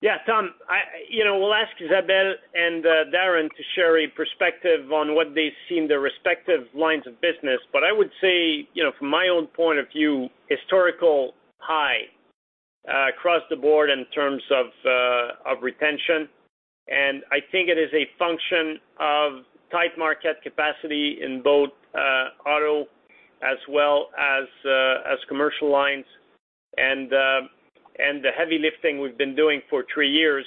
Yeah, Tom, I— You know, we'll ask Isabelle and Darren to share a perspective on what they see in their respective lines of business. But I would say, you know, from my own point of view, historical high across the board in terms of of retention. And I think it is a function of tight market capacity in both auto as well as as commercial lines, and and the heavy lifting we've been doing for three years,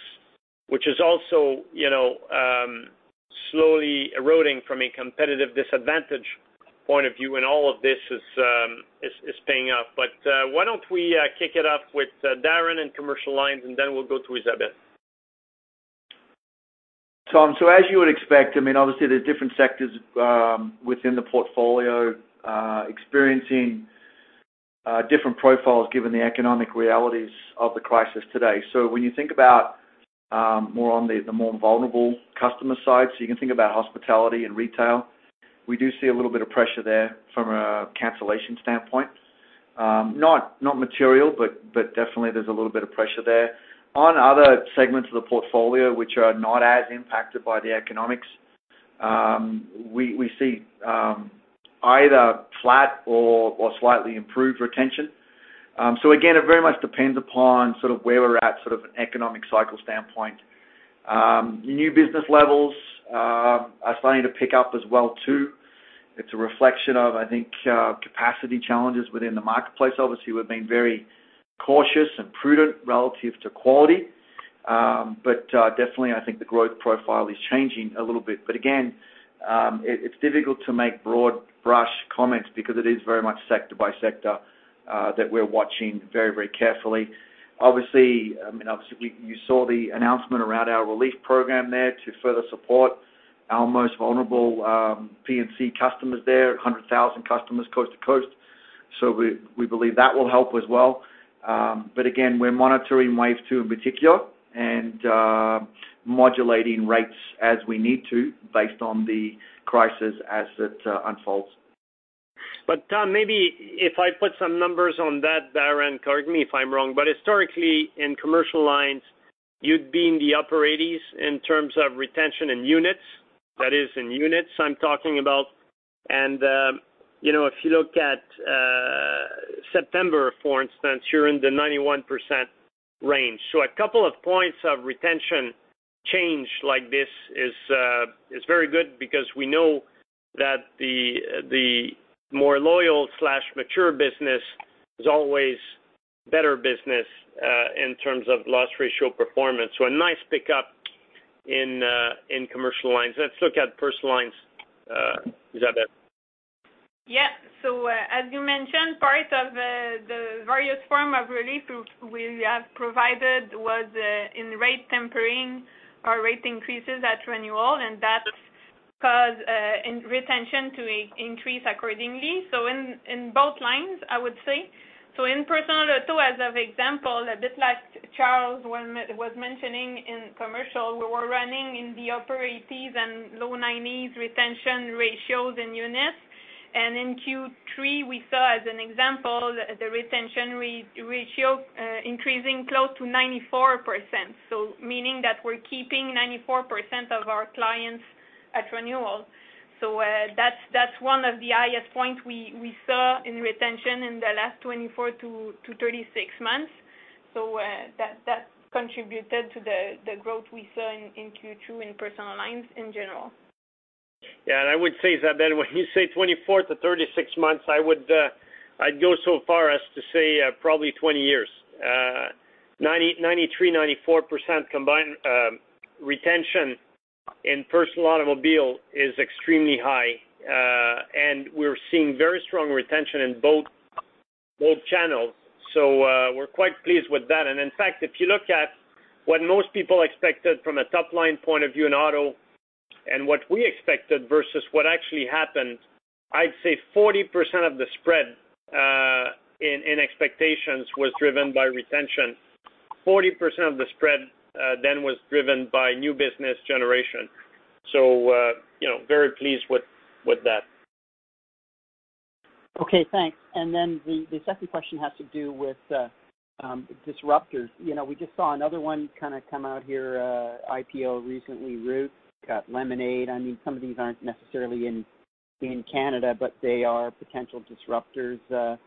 which is also, you know, slowly eroding from a competitive disadvantage point of view, and all of this is paying off. But why don't we kick it off with Darren in commercial lines, and then we'll go to Isabelle. Tom, so as you would expect, I mean, obviously, there's different sectors within the portfolio experiencing different profiles given the economic realities of the crisis today. So when you think about more on the more vulnerable customer side, so you can think about hospitality and retail, we do see a little bit of pressure there from a cancellation standpoint. Not material, but definitely there's a little bit of pressure there. On other segments of the portfolio, which are not as impacted by the economics, we see either flat or slightly improved retention. So again, it very much depends upon sort of where we're at, sort of an economic cycle standpoint. New business levels are starting to pick up as well, too. It's a reflection of, I think, capacity challenges within the marketplace. Obviously, we've been very cautious and prudent relative to quality, but definitely, I think the growth profile is changing a little bit. But again, it, it's difficult to make broad brush comments because it is very much sector by sector that we're watching very, very carefully. Obviously, I mean, obviously, you saw the announcement around our relief program there to further support our most vulnerable, P&C customers there, 100,000 customers, coast to coast. So we, we believe that will help as well. But again, we're monitoring wave two in particular and modulating rates as we need to, based on the crisis as it unfolds. But Tom, maybe if I put some numbers on that, Darren, correct me if I'm wrong, but historically, in commercial lines, you'd be in the upper 80s in terms of retention in units. That is in units I'm talking about. And, you know, if you look at September, for instance, you're in the 91% range. So a couple of points of retention change like this is very good because we know that the more loyal/mature business is always better business in terms of loss ratio performance. So a nice pickup in commercial lines. Let's look at personal lines, Isabelle. Yeah. So, as you mentioned, part of the various form of relief we have provided was in rate tempering or rate increases at renewal, and that's caused retention to increase accordingly. So in both lines, I would say. So in personal auto, as an example, a bit like Charles was mentioning in commercial, we were running in the upper 80s and low 90s retention ratios in units. And in Q3, we saw, as an example, the retention ratio increasing close to 94%, so meaning that we're keeping 94% of our clients at renewal... so, that's one of the highest point we saw in retention in the last 24-36 months. So, that contributed to the growth we saw in Q2 in personal lines in general. Yeah, and I would say, Isabelle, when you say 24-36 months, I would, I'd go so far as to say, probably 20 years. 90, 93, 94% combined retention in personal automobile is extremely high, and we're seeing very strong retention in both, both channels. So, we're quite pleased with that. And in fact, if you look at what most people expected from a top line point of view in auto and what we expected versus what actually happened, I'd say 40% of the spread in expectations was driven by retention. 40% of the spread then was driven by new business generation. So, you know, very pleased with that. Okay, thanks. Then the second question has to do with disruptors. You know, we just saw another one kind of come out here IPO recently, Root, got Lemonade. I mean, some of these aren't necessarily in Canada, but they are potential disruptors to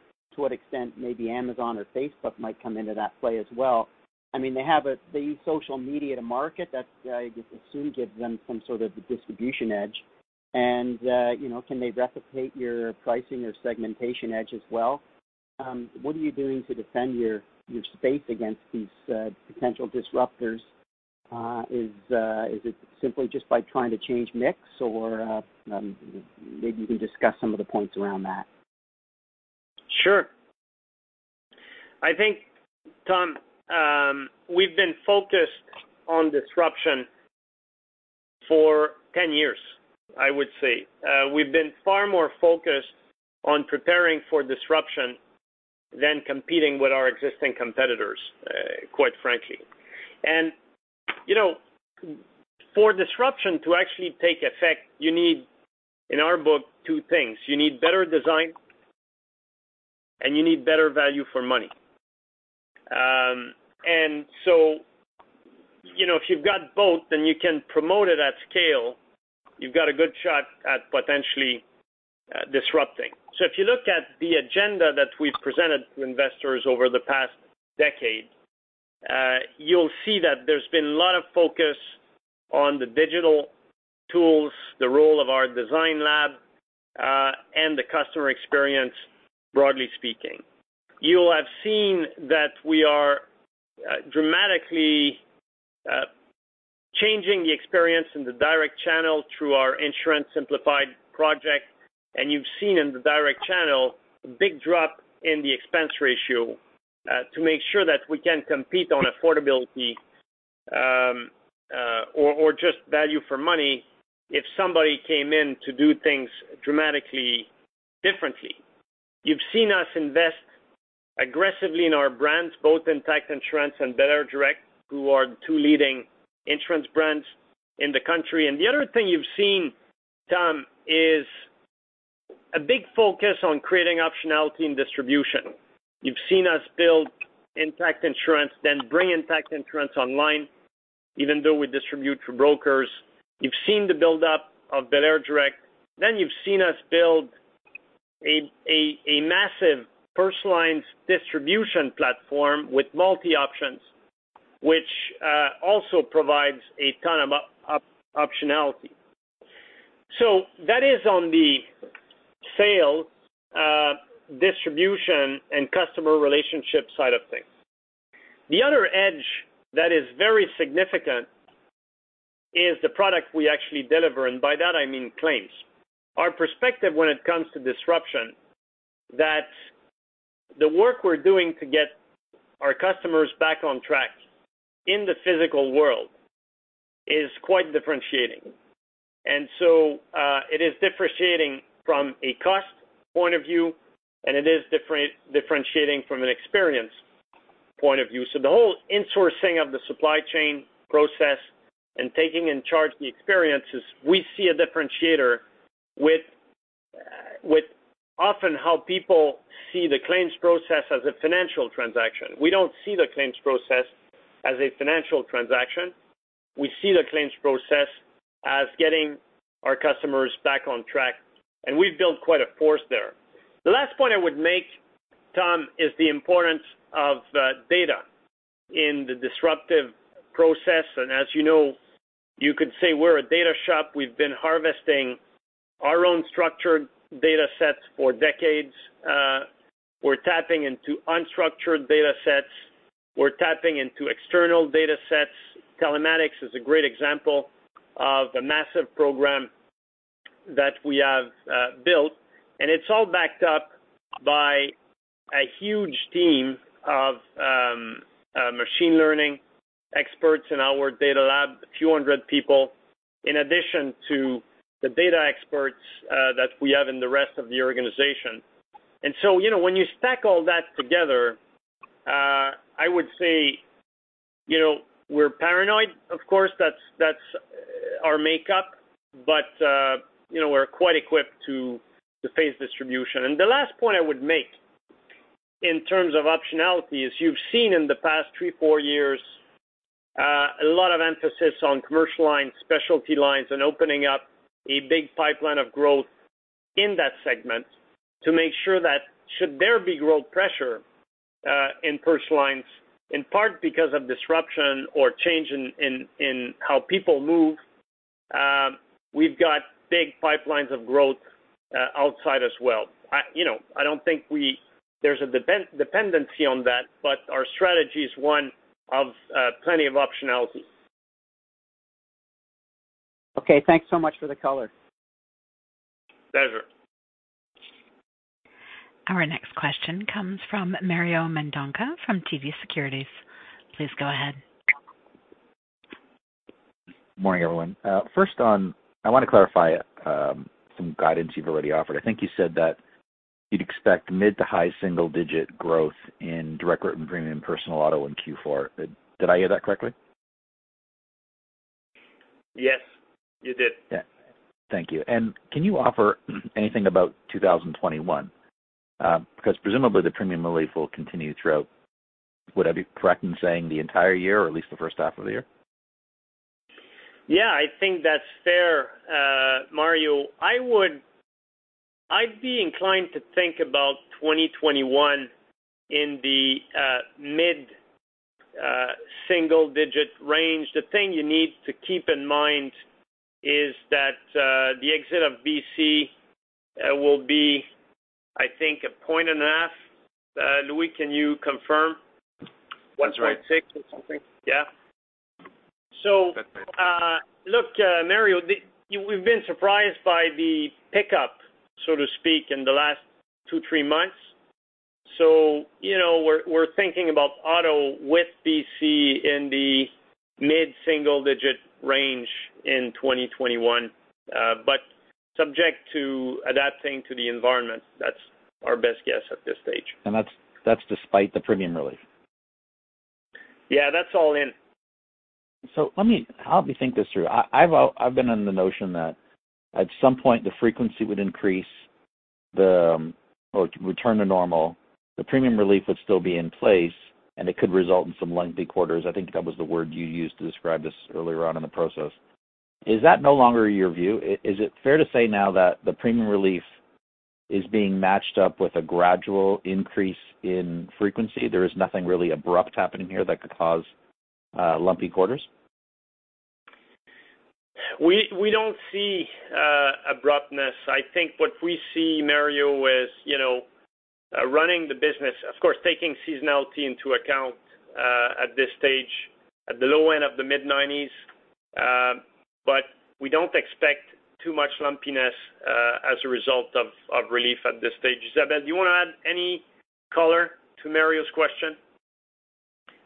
what extent maybe Amazon or Facebook might come into that play as well. I mean, they have a they use social media to market, that's, I assume, gives them some sort of distribution edge. And you know, can they replicate your pricing or segmentation edge as well? What are you doing to defend your space against these potential disruptors? Is it simply just by trying to change mix or maybe you can discuss some of the points around that. Sure. I think, Tom, we've been focused on disruption for 10 years, I would say. We've been far more focused on preparing for disruption than competing with our existing competitors, quite frankly. And, you know, for disruption to actually take effect, you need, in our book, 2 things: You need better design, and you need better value for money. And so, you know, if you've got both, then you can promote it at scale, you've got a good shot at potentially, disrupting. So if you look at the agenda that we've presented to investors over the past decade, you'll see that there's been a lot of focus on the digital tools, the role of our design lab, and the customer experience, broadly speaking. You'll have seen that we are dramatically changing the experience in the direct channel through our Insurance Simplified project, and you've seen in the direct channel a big drop in the expense ratio to make sure that we can compete on affordability, or just value for money if somebody came in to do things dramatically differently. You've seen us invest aggressively in our brands, both Intact Insurance and belairdirect, who are the two leading insurance brands in the country. And the other thing you've seen, Tom, is a big focus on creating optionality and distribution. You've seen us build Intact Insurance, then bring Intact Insurance online, even though we distribute through brokers. You've seen the buildup of belairdirect, then you've seen us build a massive personal lines distribution platform with multi options, which also provides a ton of optionality. So that is on the sale, distribution and customer relationship side of things. The other edge that is very significant is the product we actually deliver, and by that I mean claims. Our perspective when it comes to disruption, that the work we're doing to get our customers back on track in the physical world is quite differentiating. And so, it is differentiating from a cost point of view, and it is differentiating from an experience point of view. So the whole insourcing of the supply chain process and taking in charge the experiences, we see a differentiator with often how people see the claims process as a financial transaction. We don't see the claims process as a financial transaction. We see the claims process as getting our customers back on track, and we've built quite a force there. The last point I would make, Tom, is the importance of data in the disruptive process. And as you know, you could say we're a data shop. We've been harvesting our own structured data sets for decades. We're tapping into unstructured data sets. We're tapping into external data sets. Telematics is a great example of the massive program that we have built, and it's all backed up by a huge team of machine learning experts in our Data Lab, a few hundred people, in addition to the data experts that we have in the rest of the organization. And so, you know, when you stack all that together, I would say, you know, we're paranoid, of course, that's our makeup, but, you know, we're quite equipped to face distribution. And the last point I would make-... In terms of optionality, as you've seen in the past 3-4 years, a lot of emphasis on commercial lines, specialty lines, and opening up a big pipeline of growth in that segment to make sure that should there be growth pressure in personal lines, in part because of disruption or change in how people move, we've got big pipelines of growth outside as well. You know, I don't think there's a dependency on that, but our strategy is one of plenty of optionality. Okay, thanks so much for the color. Pleasure. Our next question comes from Mario Mendonca from TD Securities. Please go ahead. Morning, everyone. First on, I wanna clarify some guidance you've already offered. I think you said that you'd expect mid to high single digit growth in direct written premium personal auto in Q4. Did I hear that correctly? Yes, you did. Yeah. Thank you. And can you offer anything about 2021? Because presumably the premium relief will continue throughout, would I be correct in saying the entire year, or at least the first half of the year? Yeah, I think that's fair, Mario. I'd be inclined to think about 2021 in the mid-single-digit range. The thing you need to keep in mind is that the exit of BC will be, I think, 1.5. Louis, can you confirm? That's right. 1.6 or something. Yeah. So, look, Mario, we've been surprised by the pickup, so to speak, in the last two, three months. So, you know, we're thinking about auto with BC in the mid single digit range in 2021, but subject to adapting to the environment. That's our best guess at this stage. That's despite the premium relief? Yeah, that's all in. So, let me think this through. I've been on the notion that at some point, the frequency would increase, or return to normal, the premium relief would still be in place, and it could result in some lumpy quarters. I think that was the word you used to describe this earlier on in the process. Is that no longer your view? Is it fair to say now that the premium relief is being matched up with a gradual increase in frequency, there is nothing really abrupt happening here that could cause lumpy quarters? We don't see abruptness. I think what we see, Mario, is, you know, running the business. Of course, taking seasonality into account, at this stage, at the low end of the mid-nineties, but we don't expect too much lumpiness as a result of relief at this stage. Isabelle, do you wanna add any color to Mario's question?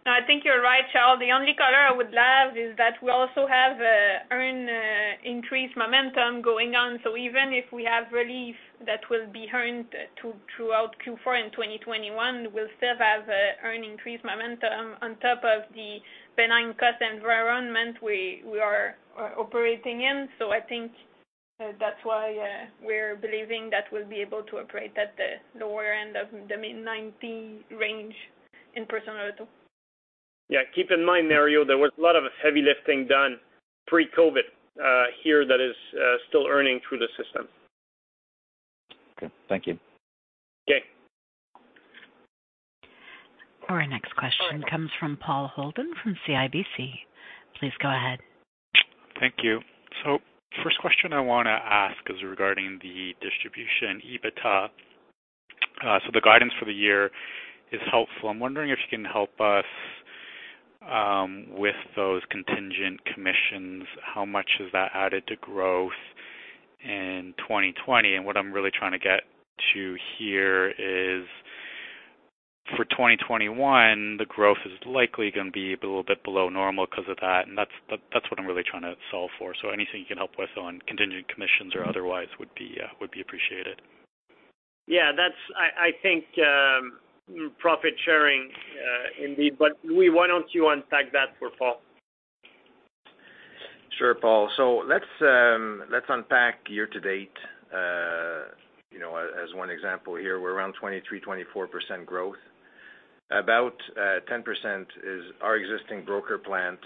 No, I think you're right, Charles. The only color I would add is that we also have earned increased momentum going on. So even if we have relief that will be earned throughout Q4 and 2021, we'll still have earned increased momentum on top of the benign cost environment we are operating in. So I think, that's why, we're believing that we'll be able to operate at the lower end of the mid-90 range in personal auto. Yeah, keep in mind, Mario, there was a lot of heavy lifting done pre-COVID here that is still earning through the system. Okay. Thank you. Okay. Our next question comes from Paul Holden from CIBC. Please go ahead. Thank you. First question I wanna ask is regarding the distribution, EBITDA. The guidance for the year is helpful. I'm wondering if you can help us with those contingent commissions. How much has that added to growth in 2020? And what I'm really trying to get to here is, for 2021, the growth is likely gonna be a little bit below normal because of that, and that's what I'm really trying to solve for. Anything you can help with on contingent commissions or otherwise would be appreciated. Yeah, that's... I, I think, profit sharing, indeed, but Louis, why don't you unpack that for Paul? Sure, Paul. So let's, let's unpack year to date, you know, as one example, here. We're around 23%-24% growth. About 10% is our existing broker plan,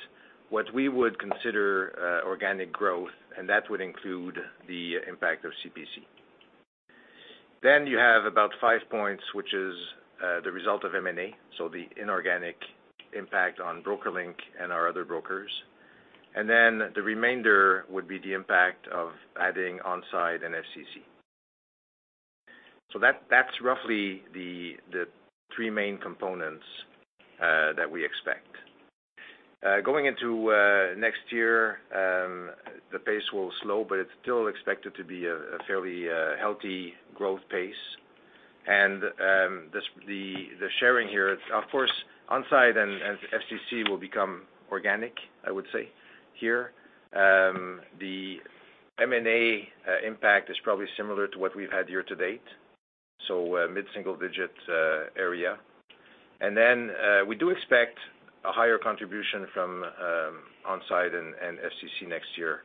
what we would consider organic growth, and that would include the impact of CPC. Then you have about 5 points, which is the result of M&A, so the inorganic impact on BrokerLink and our other brokers. And then the remainder would be the impact of adding On Side and FCC. So that's roughly the three main components that we expect. Going into next year, the pace will slow, but it's still expected to be a fairly healthy growth pace. And the sharing here, of course, On Side and FCC will become organic, I would say, here. The M&A impact is probably similar to what we've had year to date, so mid-single digit area. And then, we do expect a higher contribution from On Side and FCC next year,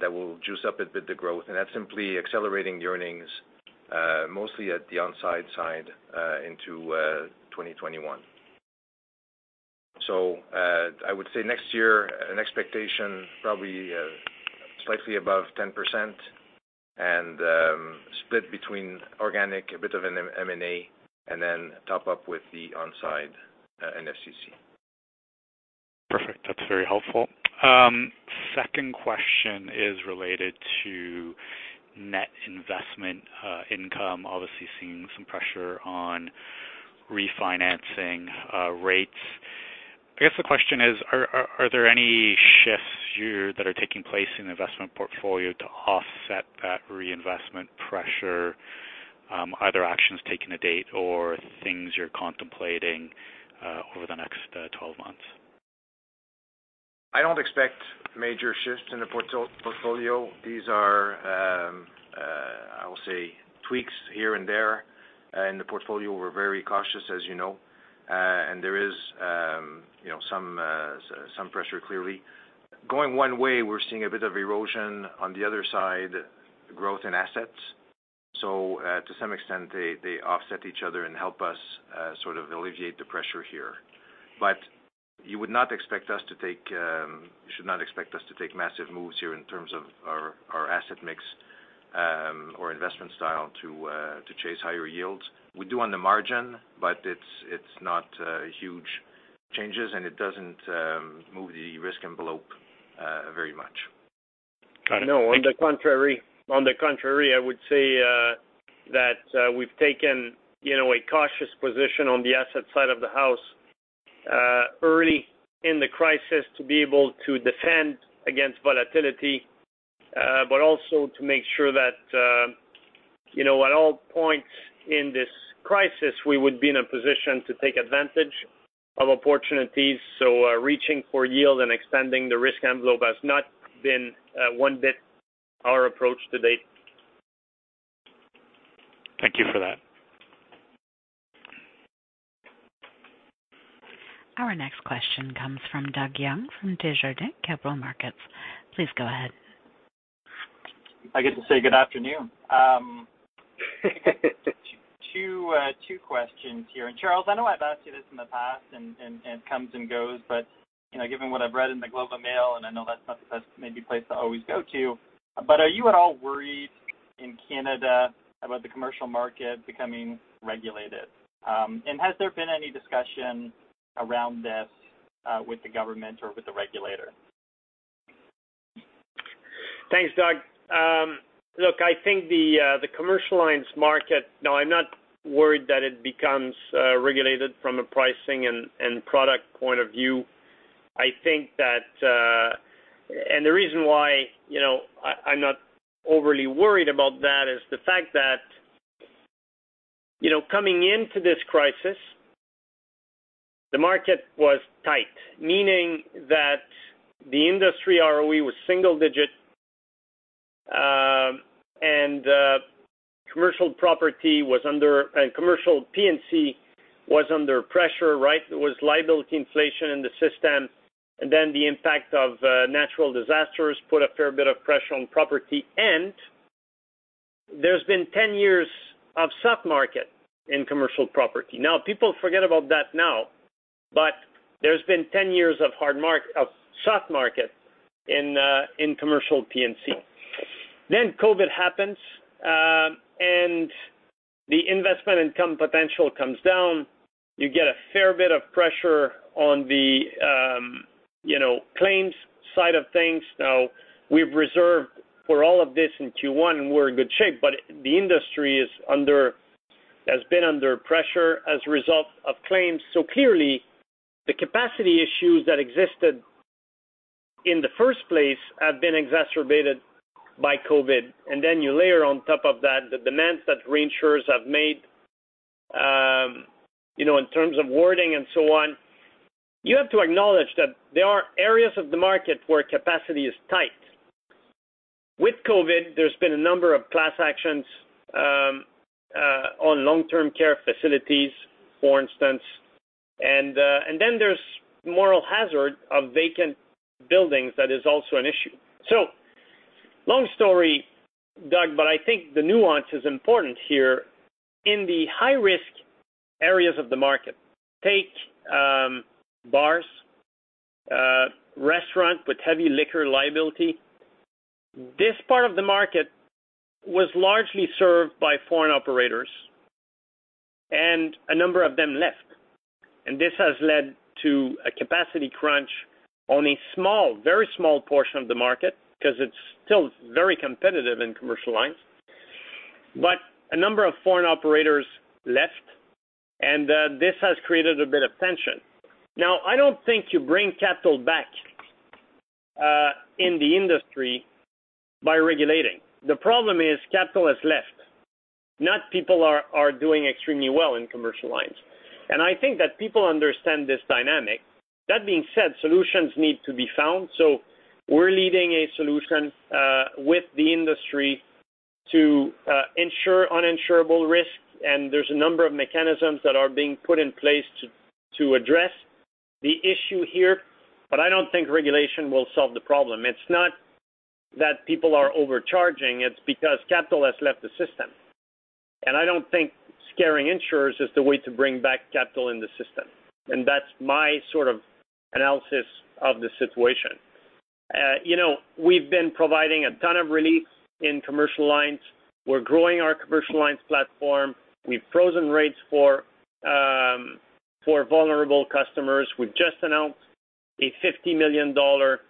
that will juice up a bit the growth, and that's simply accelerating the earnings, mostly at the On Side side, into 2021. So, I would say next year, an expectation probably slightly above 10% and split between organic, a bit of an M&A, and then top up with the On Side and FCC. Perfect. That's very helpful. Second question is related to net investment income. Obviously, seeing some pressure on refinancing rates. I guess the question is, are there any shifts here that are taking place in the investment portfolio to offset that reinvestment pressure? Either actions taken to date or things you're contemplating over the next 12 months? I don't expect major shifts in the portfolio. These are, I will say, tweaks here and there. In the portfolio, we're very cautious, as you know, and there is, you know, some pressure clearly. Going one way, we're seeing a bit of erosion, on the other side, growth in assets. So, to some extent, they offset each other and help us sort of alleviate the pressure here. But you would not expect us to take, you should not expect us to take massive moves here in terms of our asset mix or investment style to chase higher yields. We do on the margin, but it's not huge changes, and it doesn't move the risk envelope very much. Got it. No, on the contrary, on the contrary, I would say, that, we've taken, you know, a cautious position on the asset side of the house, early in the crisis to be able to defend against volatility, but also to make sure that, you know, at all points in this crisis, we would be in a position to take advantage of opportunities. So, reaching for yield and extending the risk envelope has not been, one bit our approach to date. Thank you for that. Our next question comes from Doug Young, from Desjardins Capital Markets. Please go ahead. I get to say good afternoon. Two questions here. And Charles, I know I've asked you this in the past, and it comes and goes, but you know, given what I've read in the Globe and Mail, and I know that's not the best maybe place to always go to, but are you at all worried in Canada about the commercial market becoming regulated? And has there been any discussion around this with the government or with the regulator? Thanks, Doug. Look, I think the commercial lines market—no, I'm not worried that it becomes regulated from a pricing and product point of view. I think that, and the reason why, you know, I, I'm not overly worried about that, is the fact that, you know, coming into this crisis, the market was tight, meaning that the industry ROE was single digit, and commercial property was under... And commercial P&C was under pressure, right? There was liability inflation in the system, and then the impact of natural disasters put a fair bit of pressure on property. And there's been 10 years of soft market in commercial property. Now, people forget about that now, but there's been 10 years of hard mark- of soft market in commercial P&C. Then COVID happens, and the investment income potential comes down. You get a fair bit of pressure on the, you know, claims side of things. Now, we've reserved for all of this in Q1, and we're in good shape, but the industry has been under pressure as a result of claims. So clearly, the capacity issues that existed in the first place have been exacerbated by COVID. And then you layer on top of that, the demands that reinsurers have made, you know, in terms of wording and so on. You have to acknowledge that there are areas of the market where capacity is tight. With COVID, there's been a number of class actions, on long-term care facilities, for instance. And then there's moral hazard of vacant buildings that is also an issue. So long story, Doug, but I think the nuance is important here. In the high-risk areas of the market, take bars, restaurant with heavy liquor liability. This part of the market was largely served by foreign operators, and a number of them left, and this has led to a capacity crunch on a small, very small portion of the market, because it's still very competitive in commercial lines. But a number of foreign operators left, and this has created a bit of tension. Now, I don't think you bring capital back in the industry by regulating. The problem is, capital has left, not people are doing extremely well in commercial lines. And I think that people understand this dynamic. That being said, solutions need to be found. So we're leading a solution with the industry. to insure uninsurable risk, and there's a number of mechanisms that are being put in place to address the issue here. But I don't think regulation will solve the problem. It's not that people are overcharging, it's because capital has left the system. And I don't think scaring insurers is the way to bring back capital in the system, and that's my sort of analysis of the situation. You know, we've been providing a ton of relief in commercial lines. We're growing our commercial lines platform. We've frozen rates for vulnerable customers. We've just announced a 50 million dollar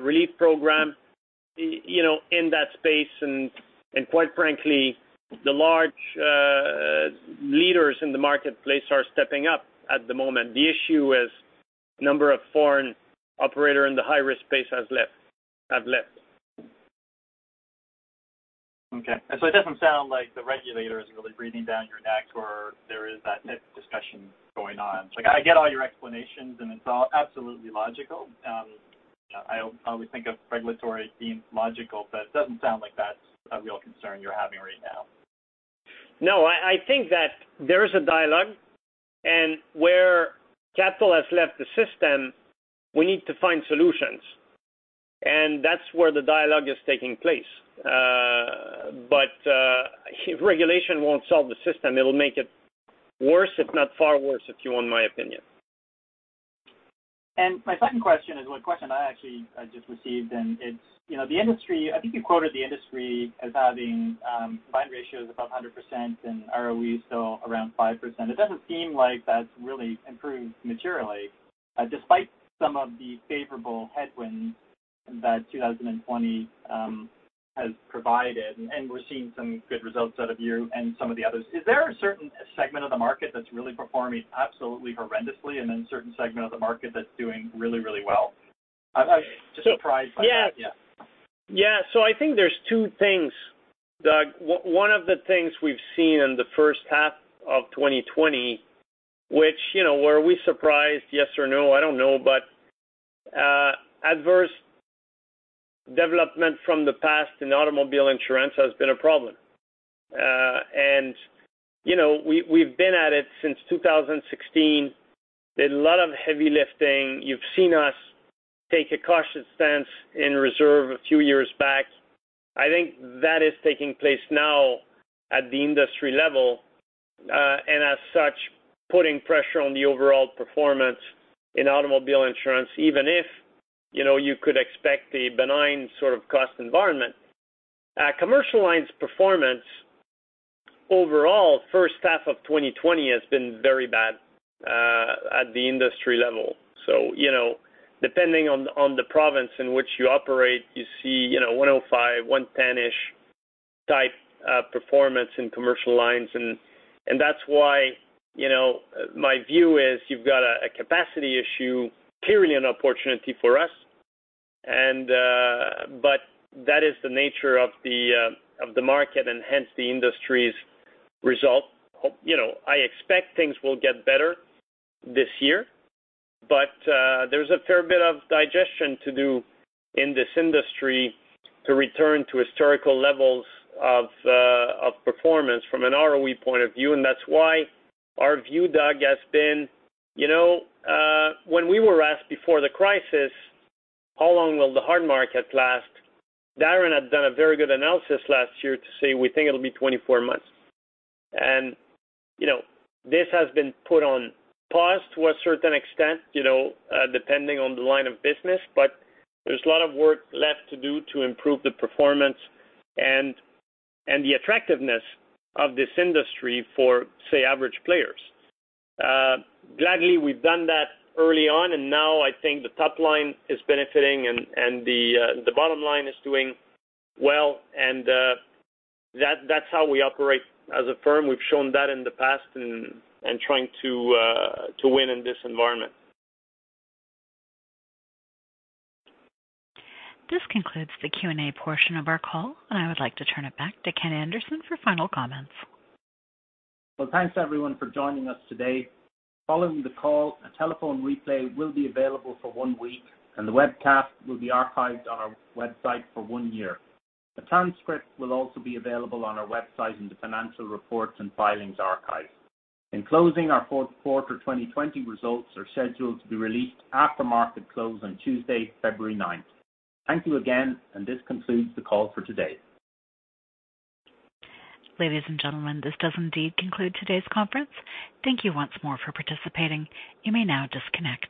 relief program, you know, in that space, and quite frankly, the large leaders in the marketplace are stepping up at the moment. The issue is number of foreign operator in the high-risk space has left - have left. Okay. And so it doesn't sound like the regulator is really breathing down your neck, or there is that type of discussion going on. So like, I get all your explanations, and it's all absolutely logical. I don't always think of regulatory being logical, but it doesn't sound like that's a real concern you're having right now. No, I, I think that there is a dialogue, and where capital has left the system, we need to find solutions, and that's where the dialogue is taking place. But, regulation won't solve the system. It'll make it worse, if not far worse, if you want my opinion. And my second question is one question I actually, I just received, and it's, you know, the industry—I think you quoted the industry as having combined ratios above 100% and ROE still around 5%. It doesn't seem like that's really improved materially, despite some of the favorable headwinds that 2020 has provided, and we're seeing some good results out of you and some of the others. Is there a certain segment of the market that's really performing absolutely horrendously and then a certain segment of the market that's doing really, really well? I'm just surprised by that. Yeah. Yeah, so I think there's two things, Doug. One of the things we've seen in the first half of 2020, which, you know, were we surprised, yes or no? I don't know. But adverse development from the past in automobile insurance has been a problem. And, you know, we've been at it since 2016. Did a lot of heavy lifting. You've seen us take a cautious stance in reserve a few years back. I think that is taking place now at the industry level, and as such, putting pressure on the overall performance in automobile insurance, even if, you know, you could expect a benign sort of cost environment. Commercial lines performance overall, first half of 2020 has been very bad, at the industry level. So, you know, depending on the province in which you operate, you see, you know, 105, 110-ish type performance in commercial lines. And that's why, you know, my view is you've got a capacity issue, clearly an opportunity for us. But that is the nature of the market and hence the industry's result. You know, I expect things will get better this year, but there's a fair bit of digestion to do in this industry to return to historical levels of performance from an ROE point of view, and that's why our view, Doug, has been... You know, when we were asked before the crisis, how long will the hard market last? Darren had done a very good analysis last year to say, we think it'll be 24 months. You know, this has been put on pause to a certain extent, you know, depending on the line of business, but there's a lot of work left to do to improve the performance and the attractiveness of this industry for, say, average players. Gladly, we've done that early on, and now I think the top line is benefiting and the bottom line is doing well, and that's how we operate as a firm. We've shown that in the past, and trying to win in this environment. This concludes the Q&A portion of our call, and I would like to turn it back to Ken Anderson for final comments. Well, thanks, everyone, for joining us today. Following the call, a telephone replay will be available for one week, and the webcast will be archived on our website for one year. A transcript will also be available on our website in the Financial Reports and Filings Archive. In closing, our fourth quarter 2020 results are scheduled to be released after market close on Tuesday, February ninth. Thank you again, and this concludes the call for today. Ladies and gentlemen, this does indeed conclude today's conference. Thank you once more for participating. You may now disconnect.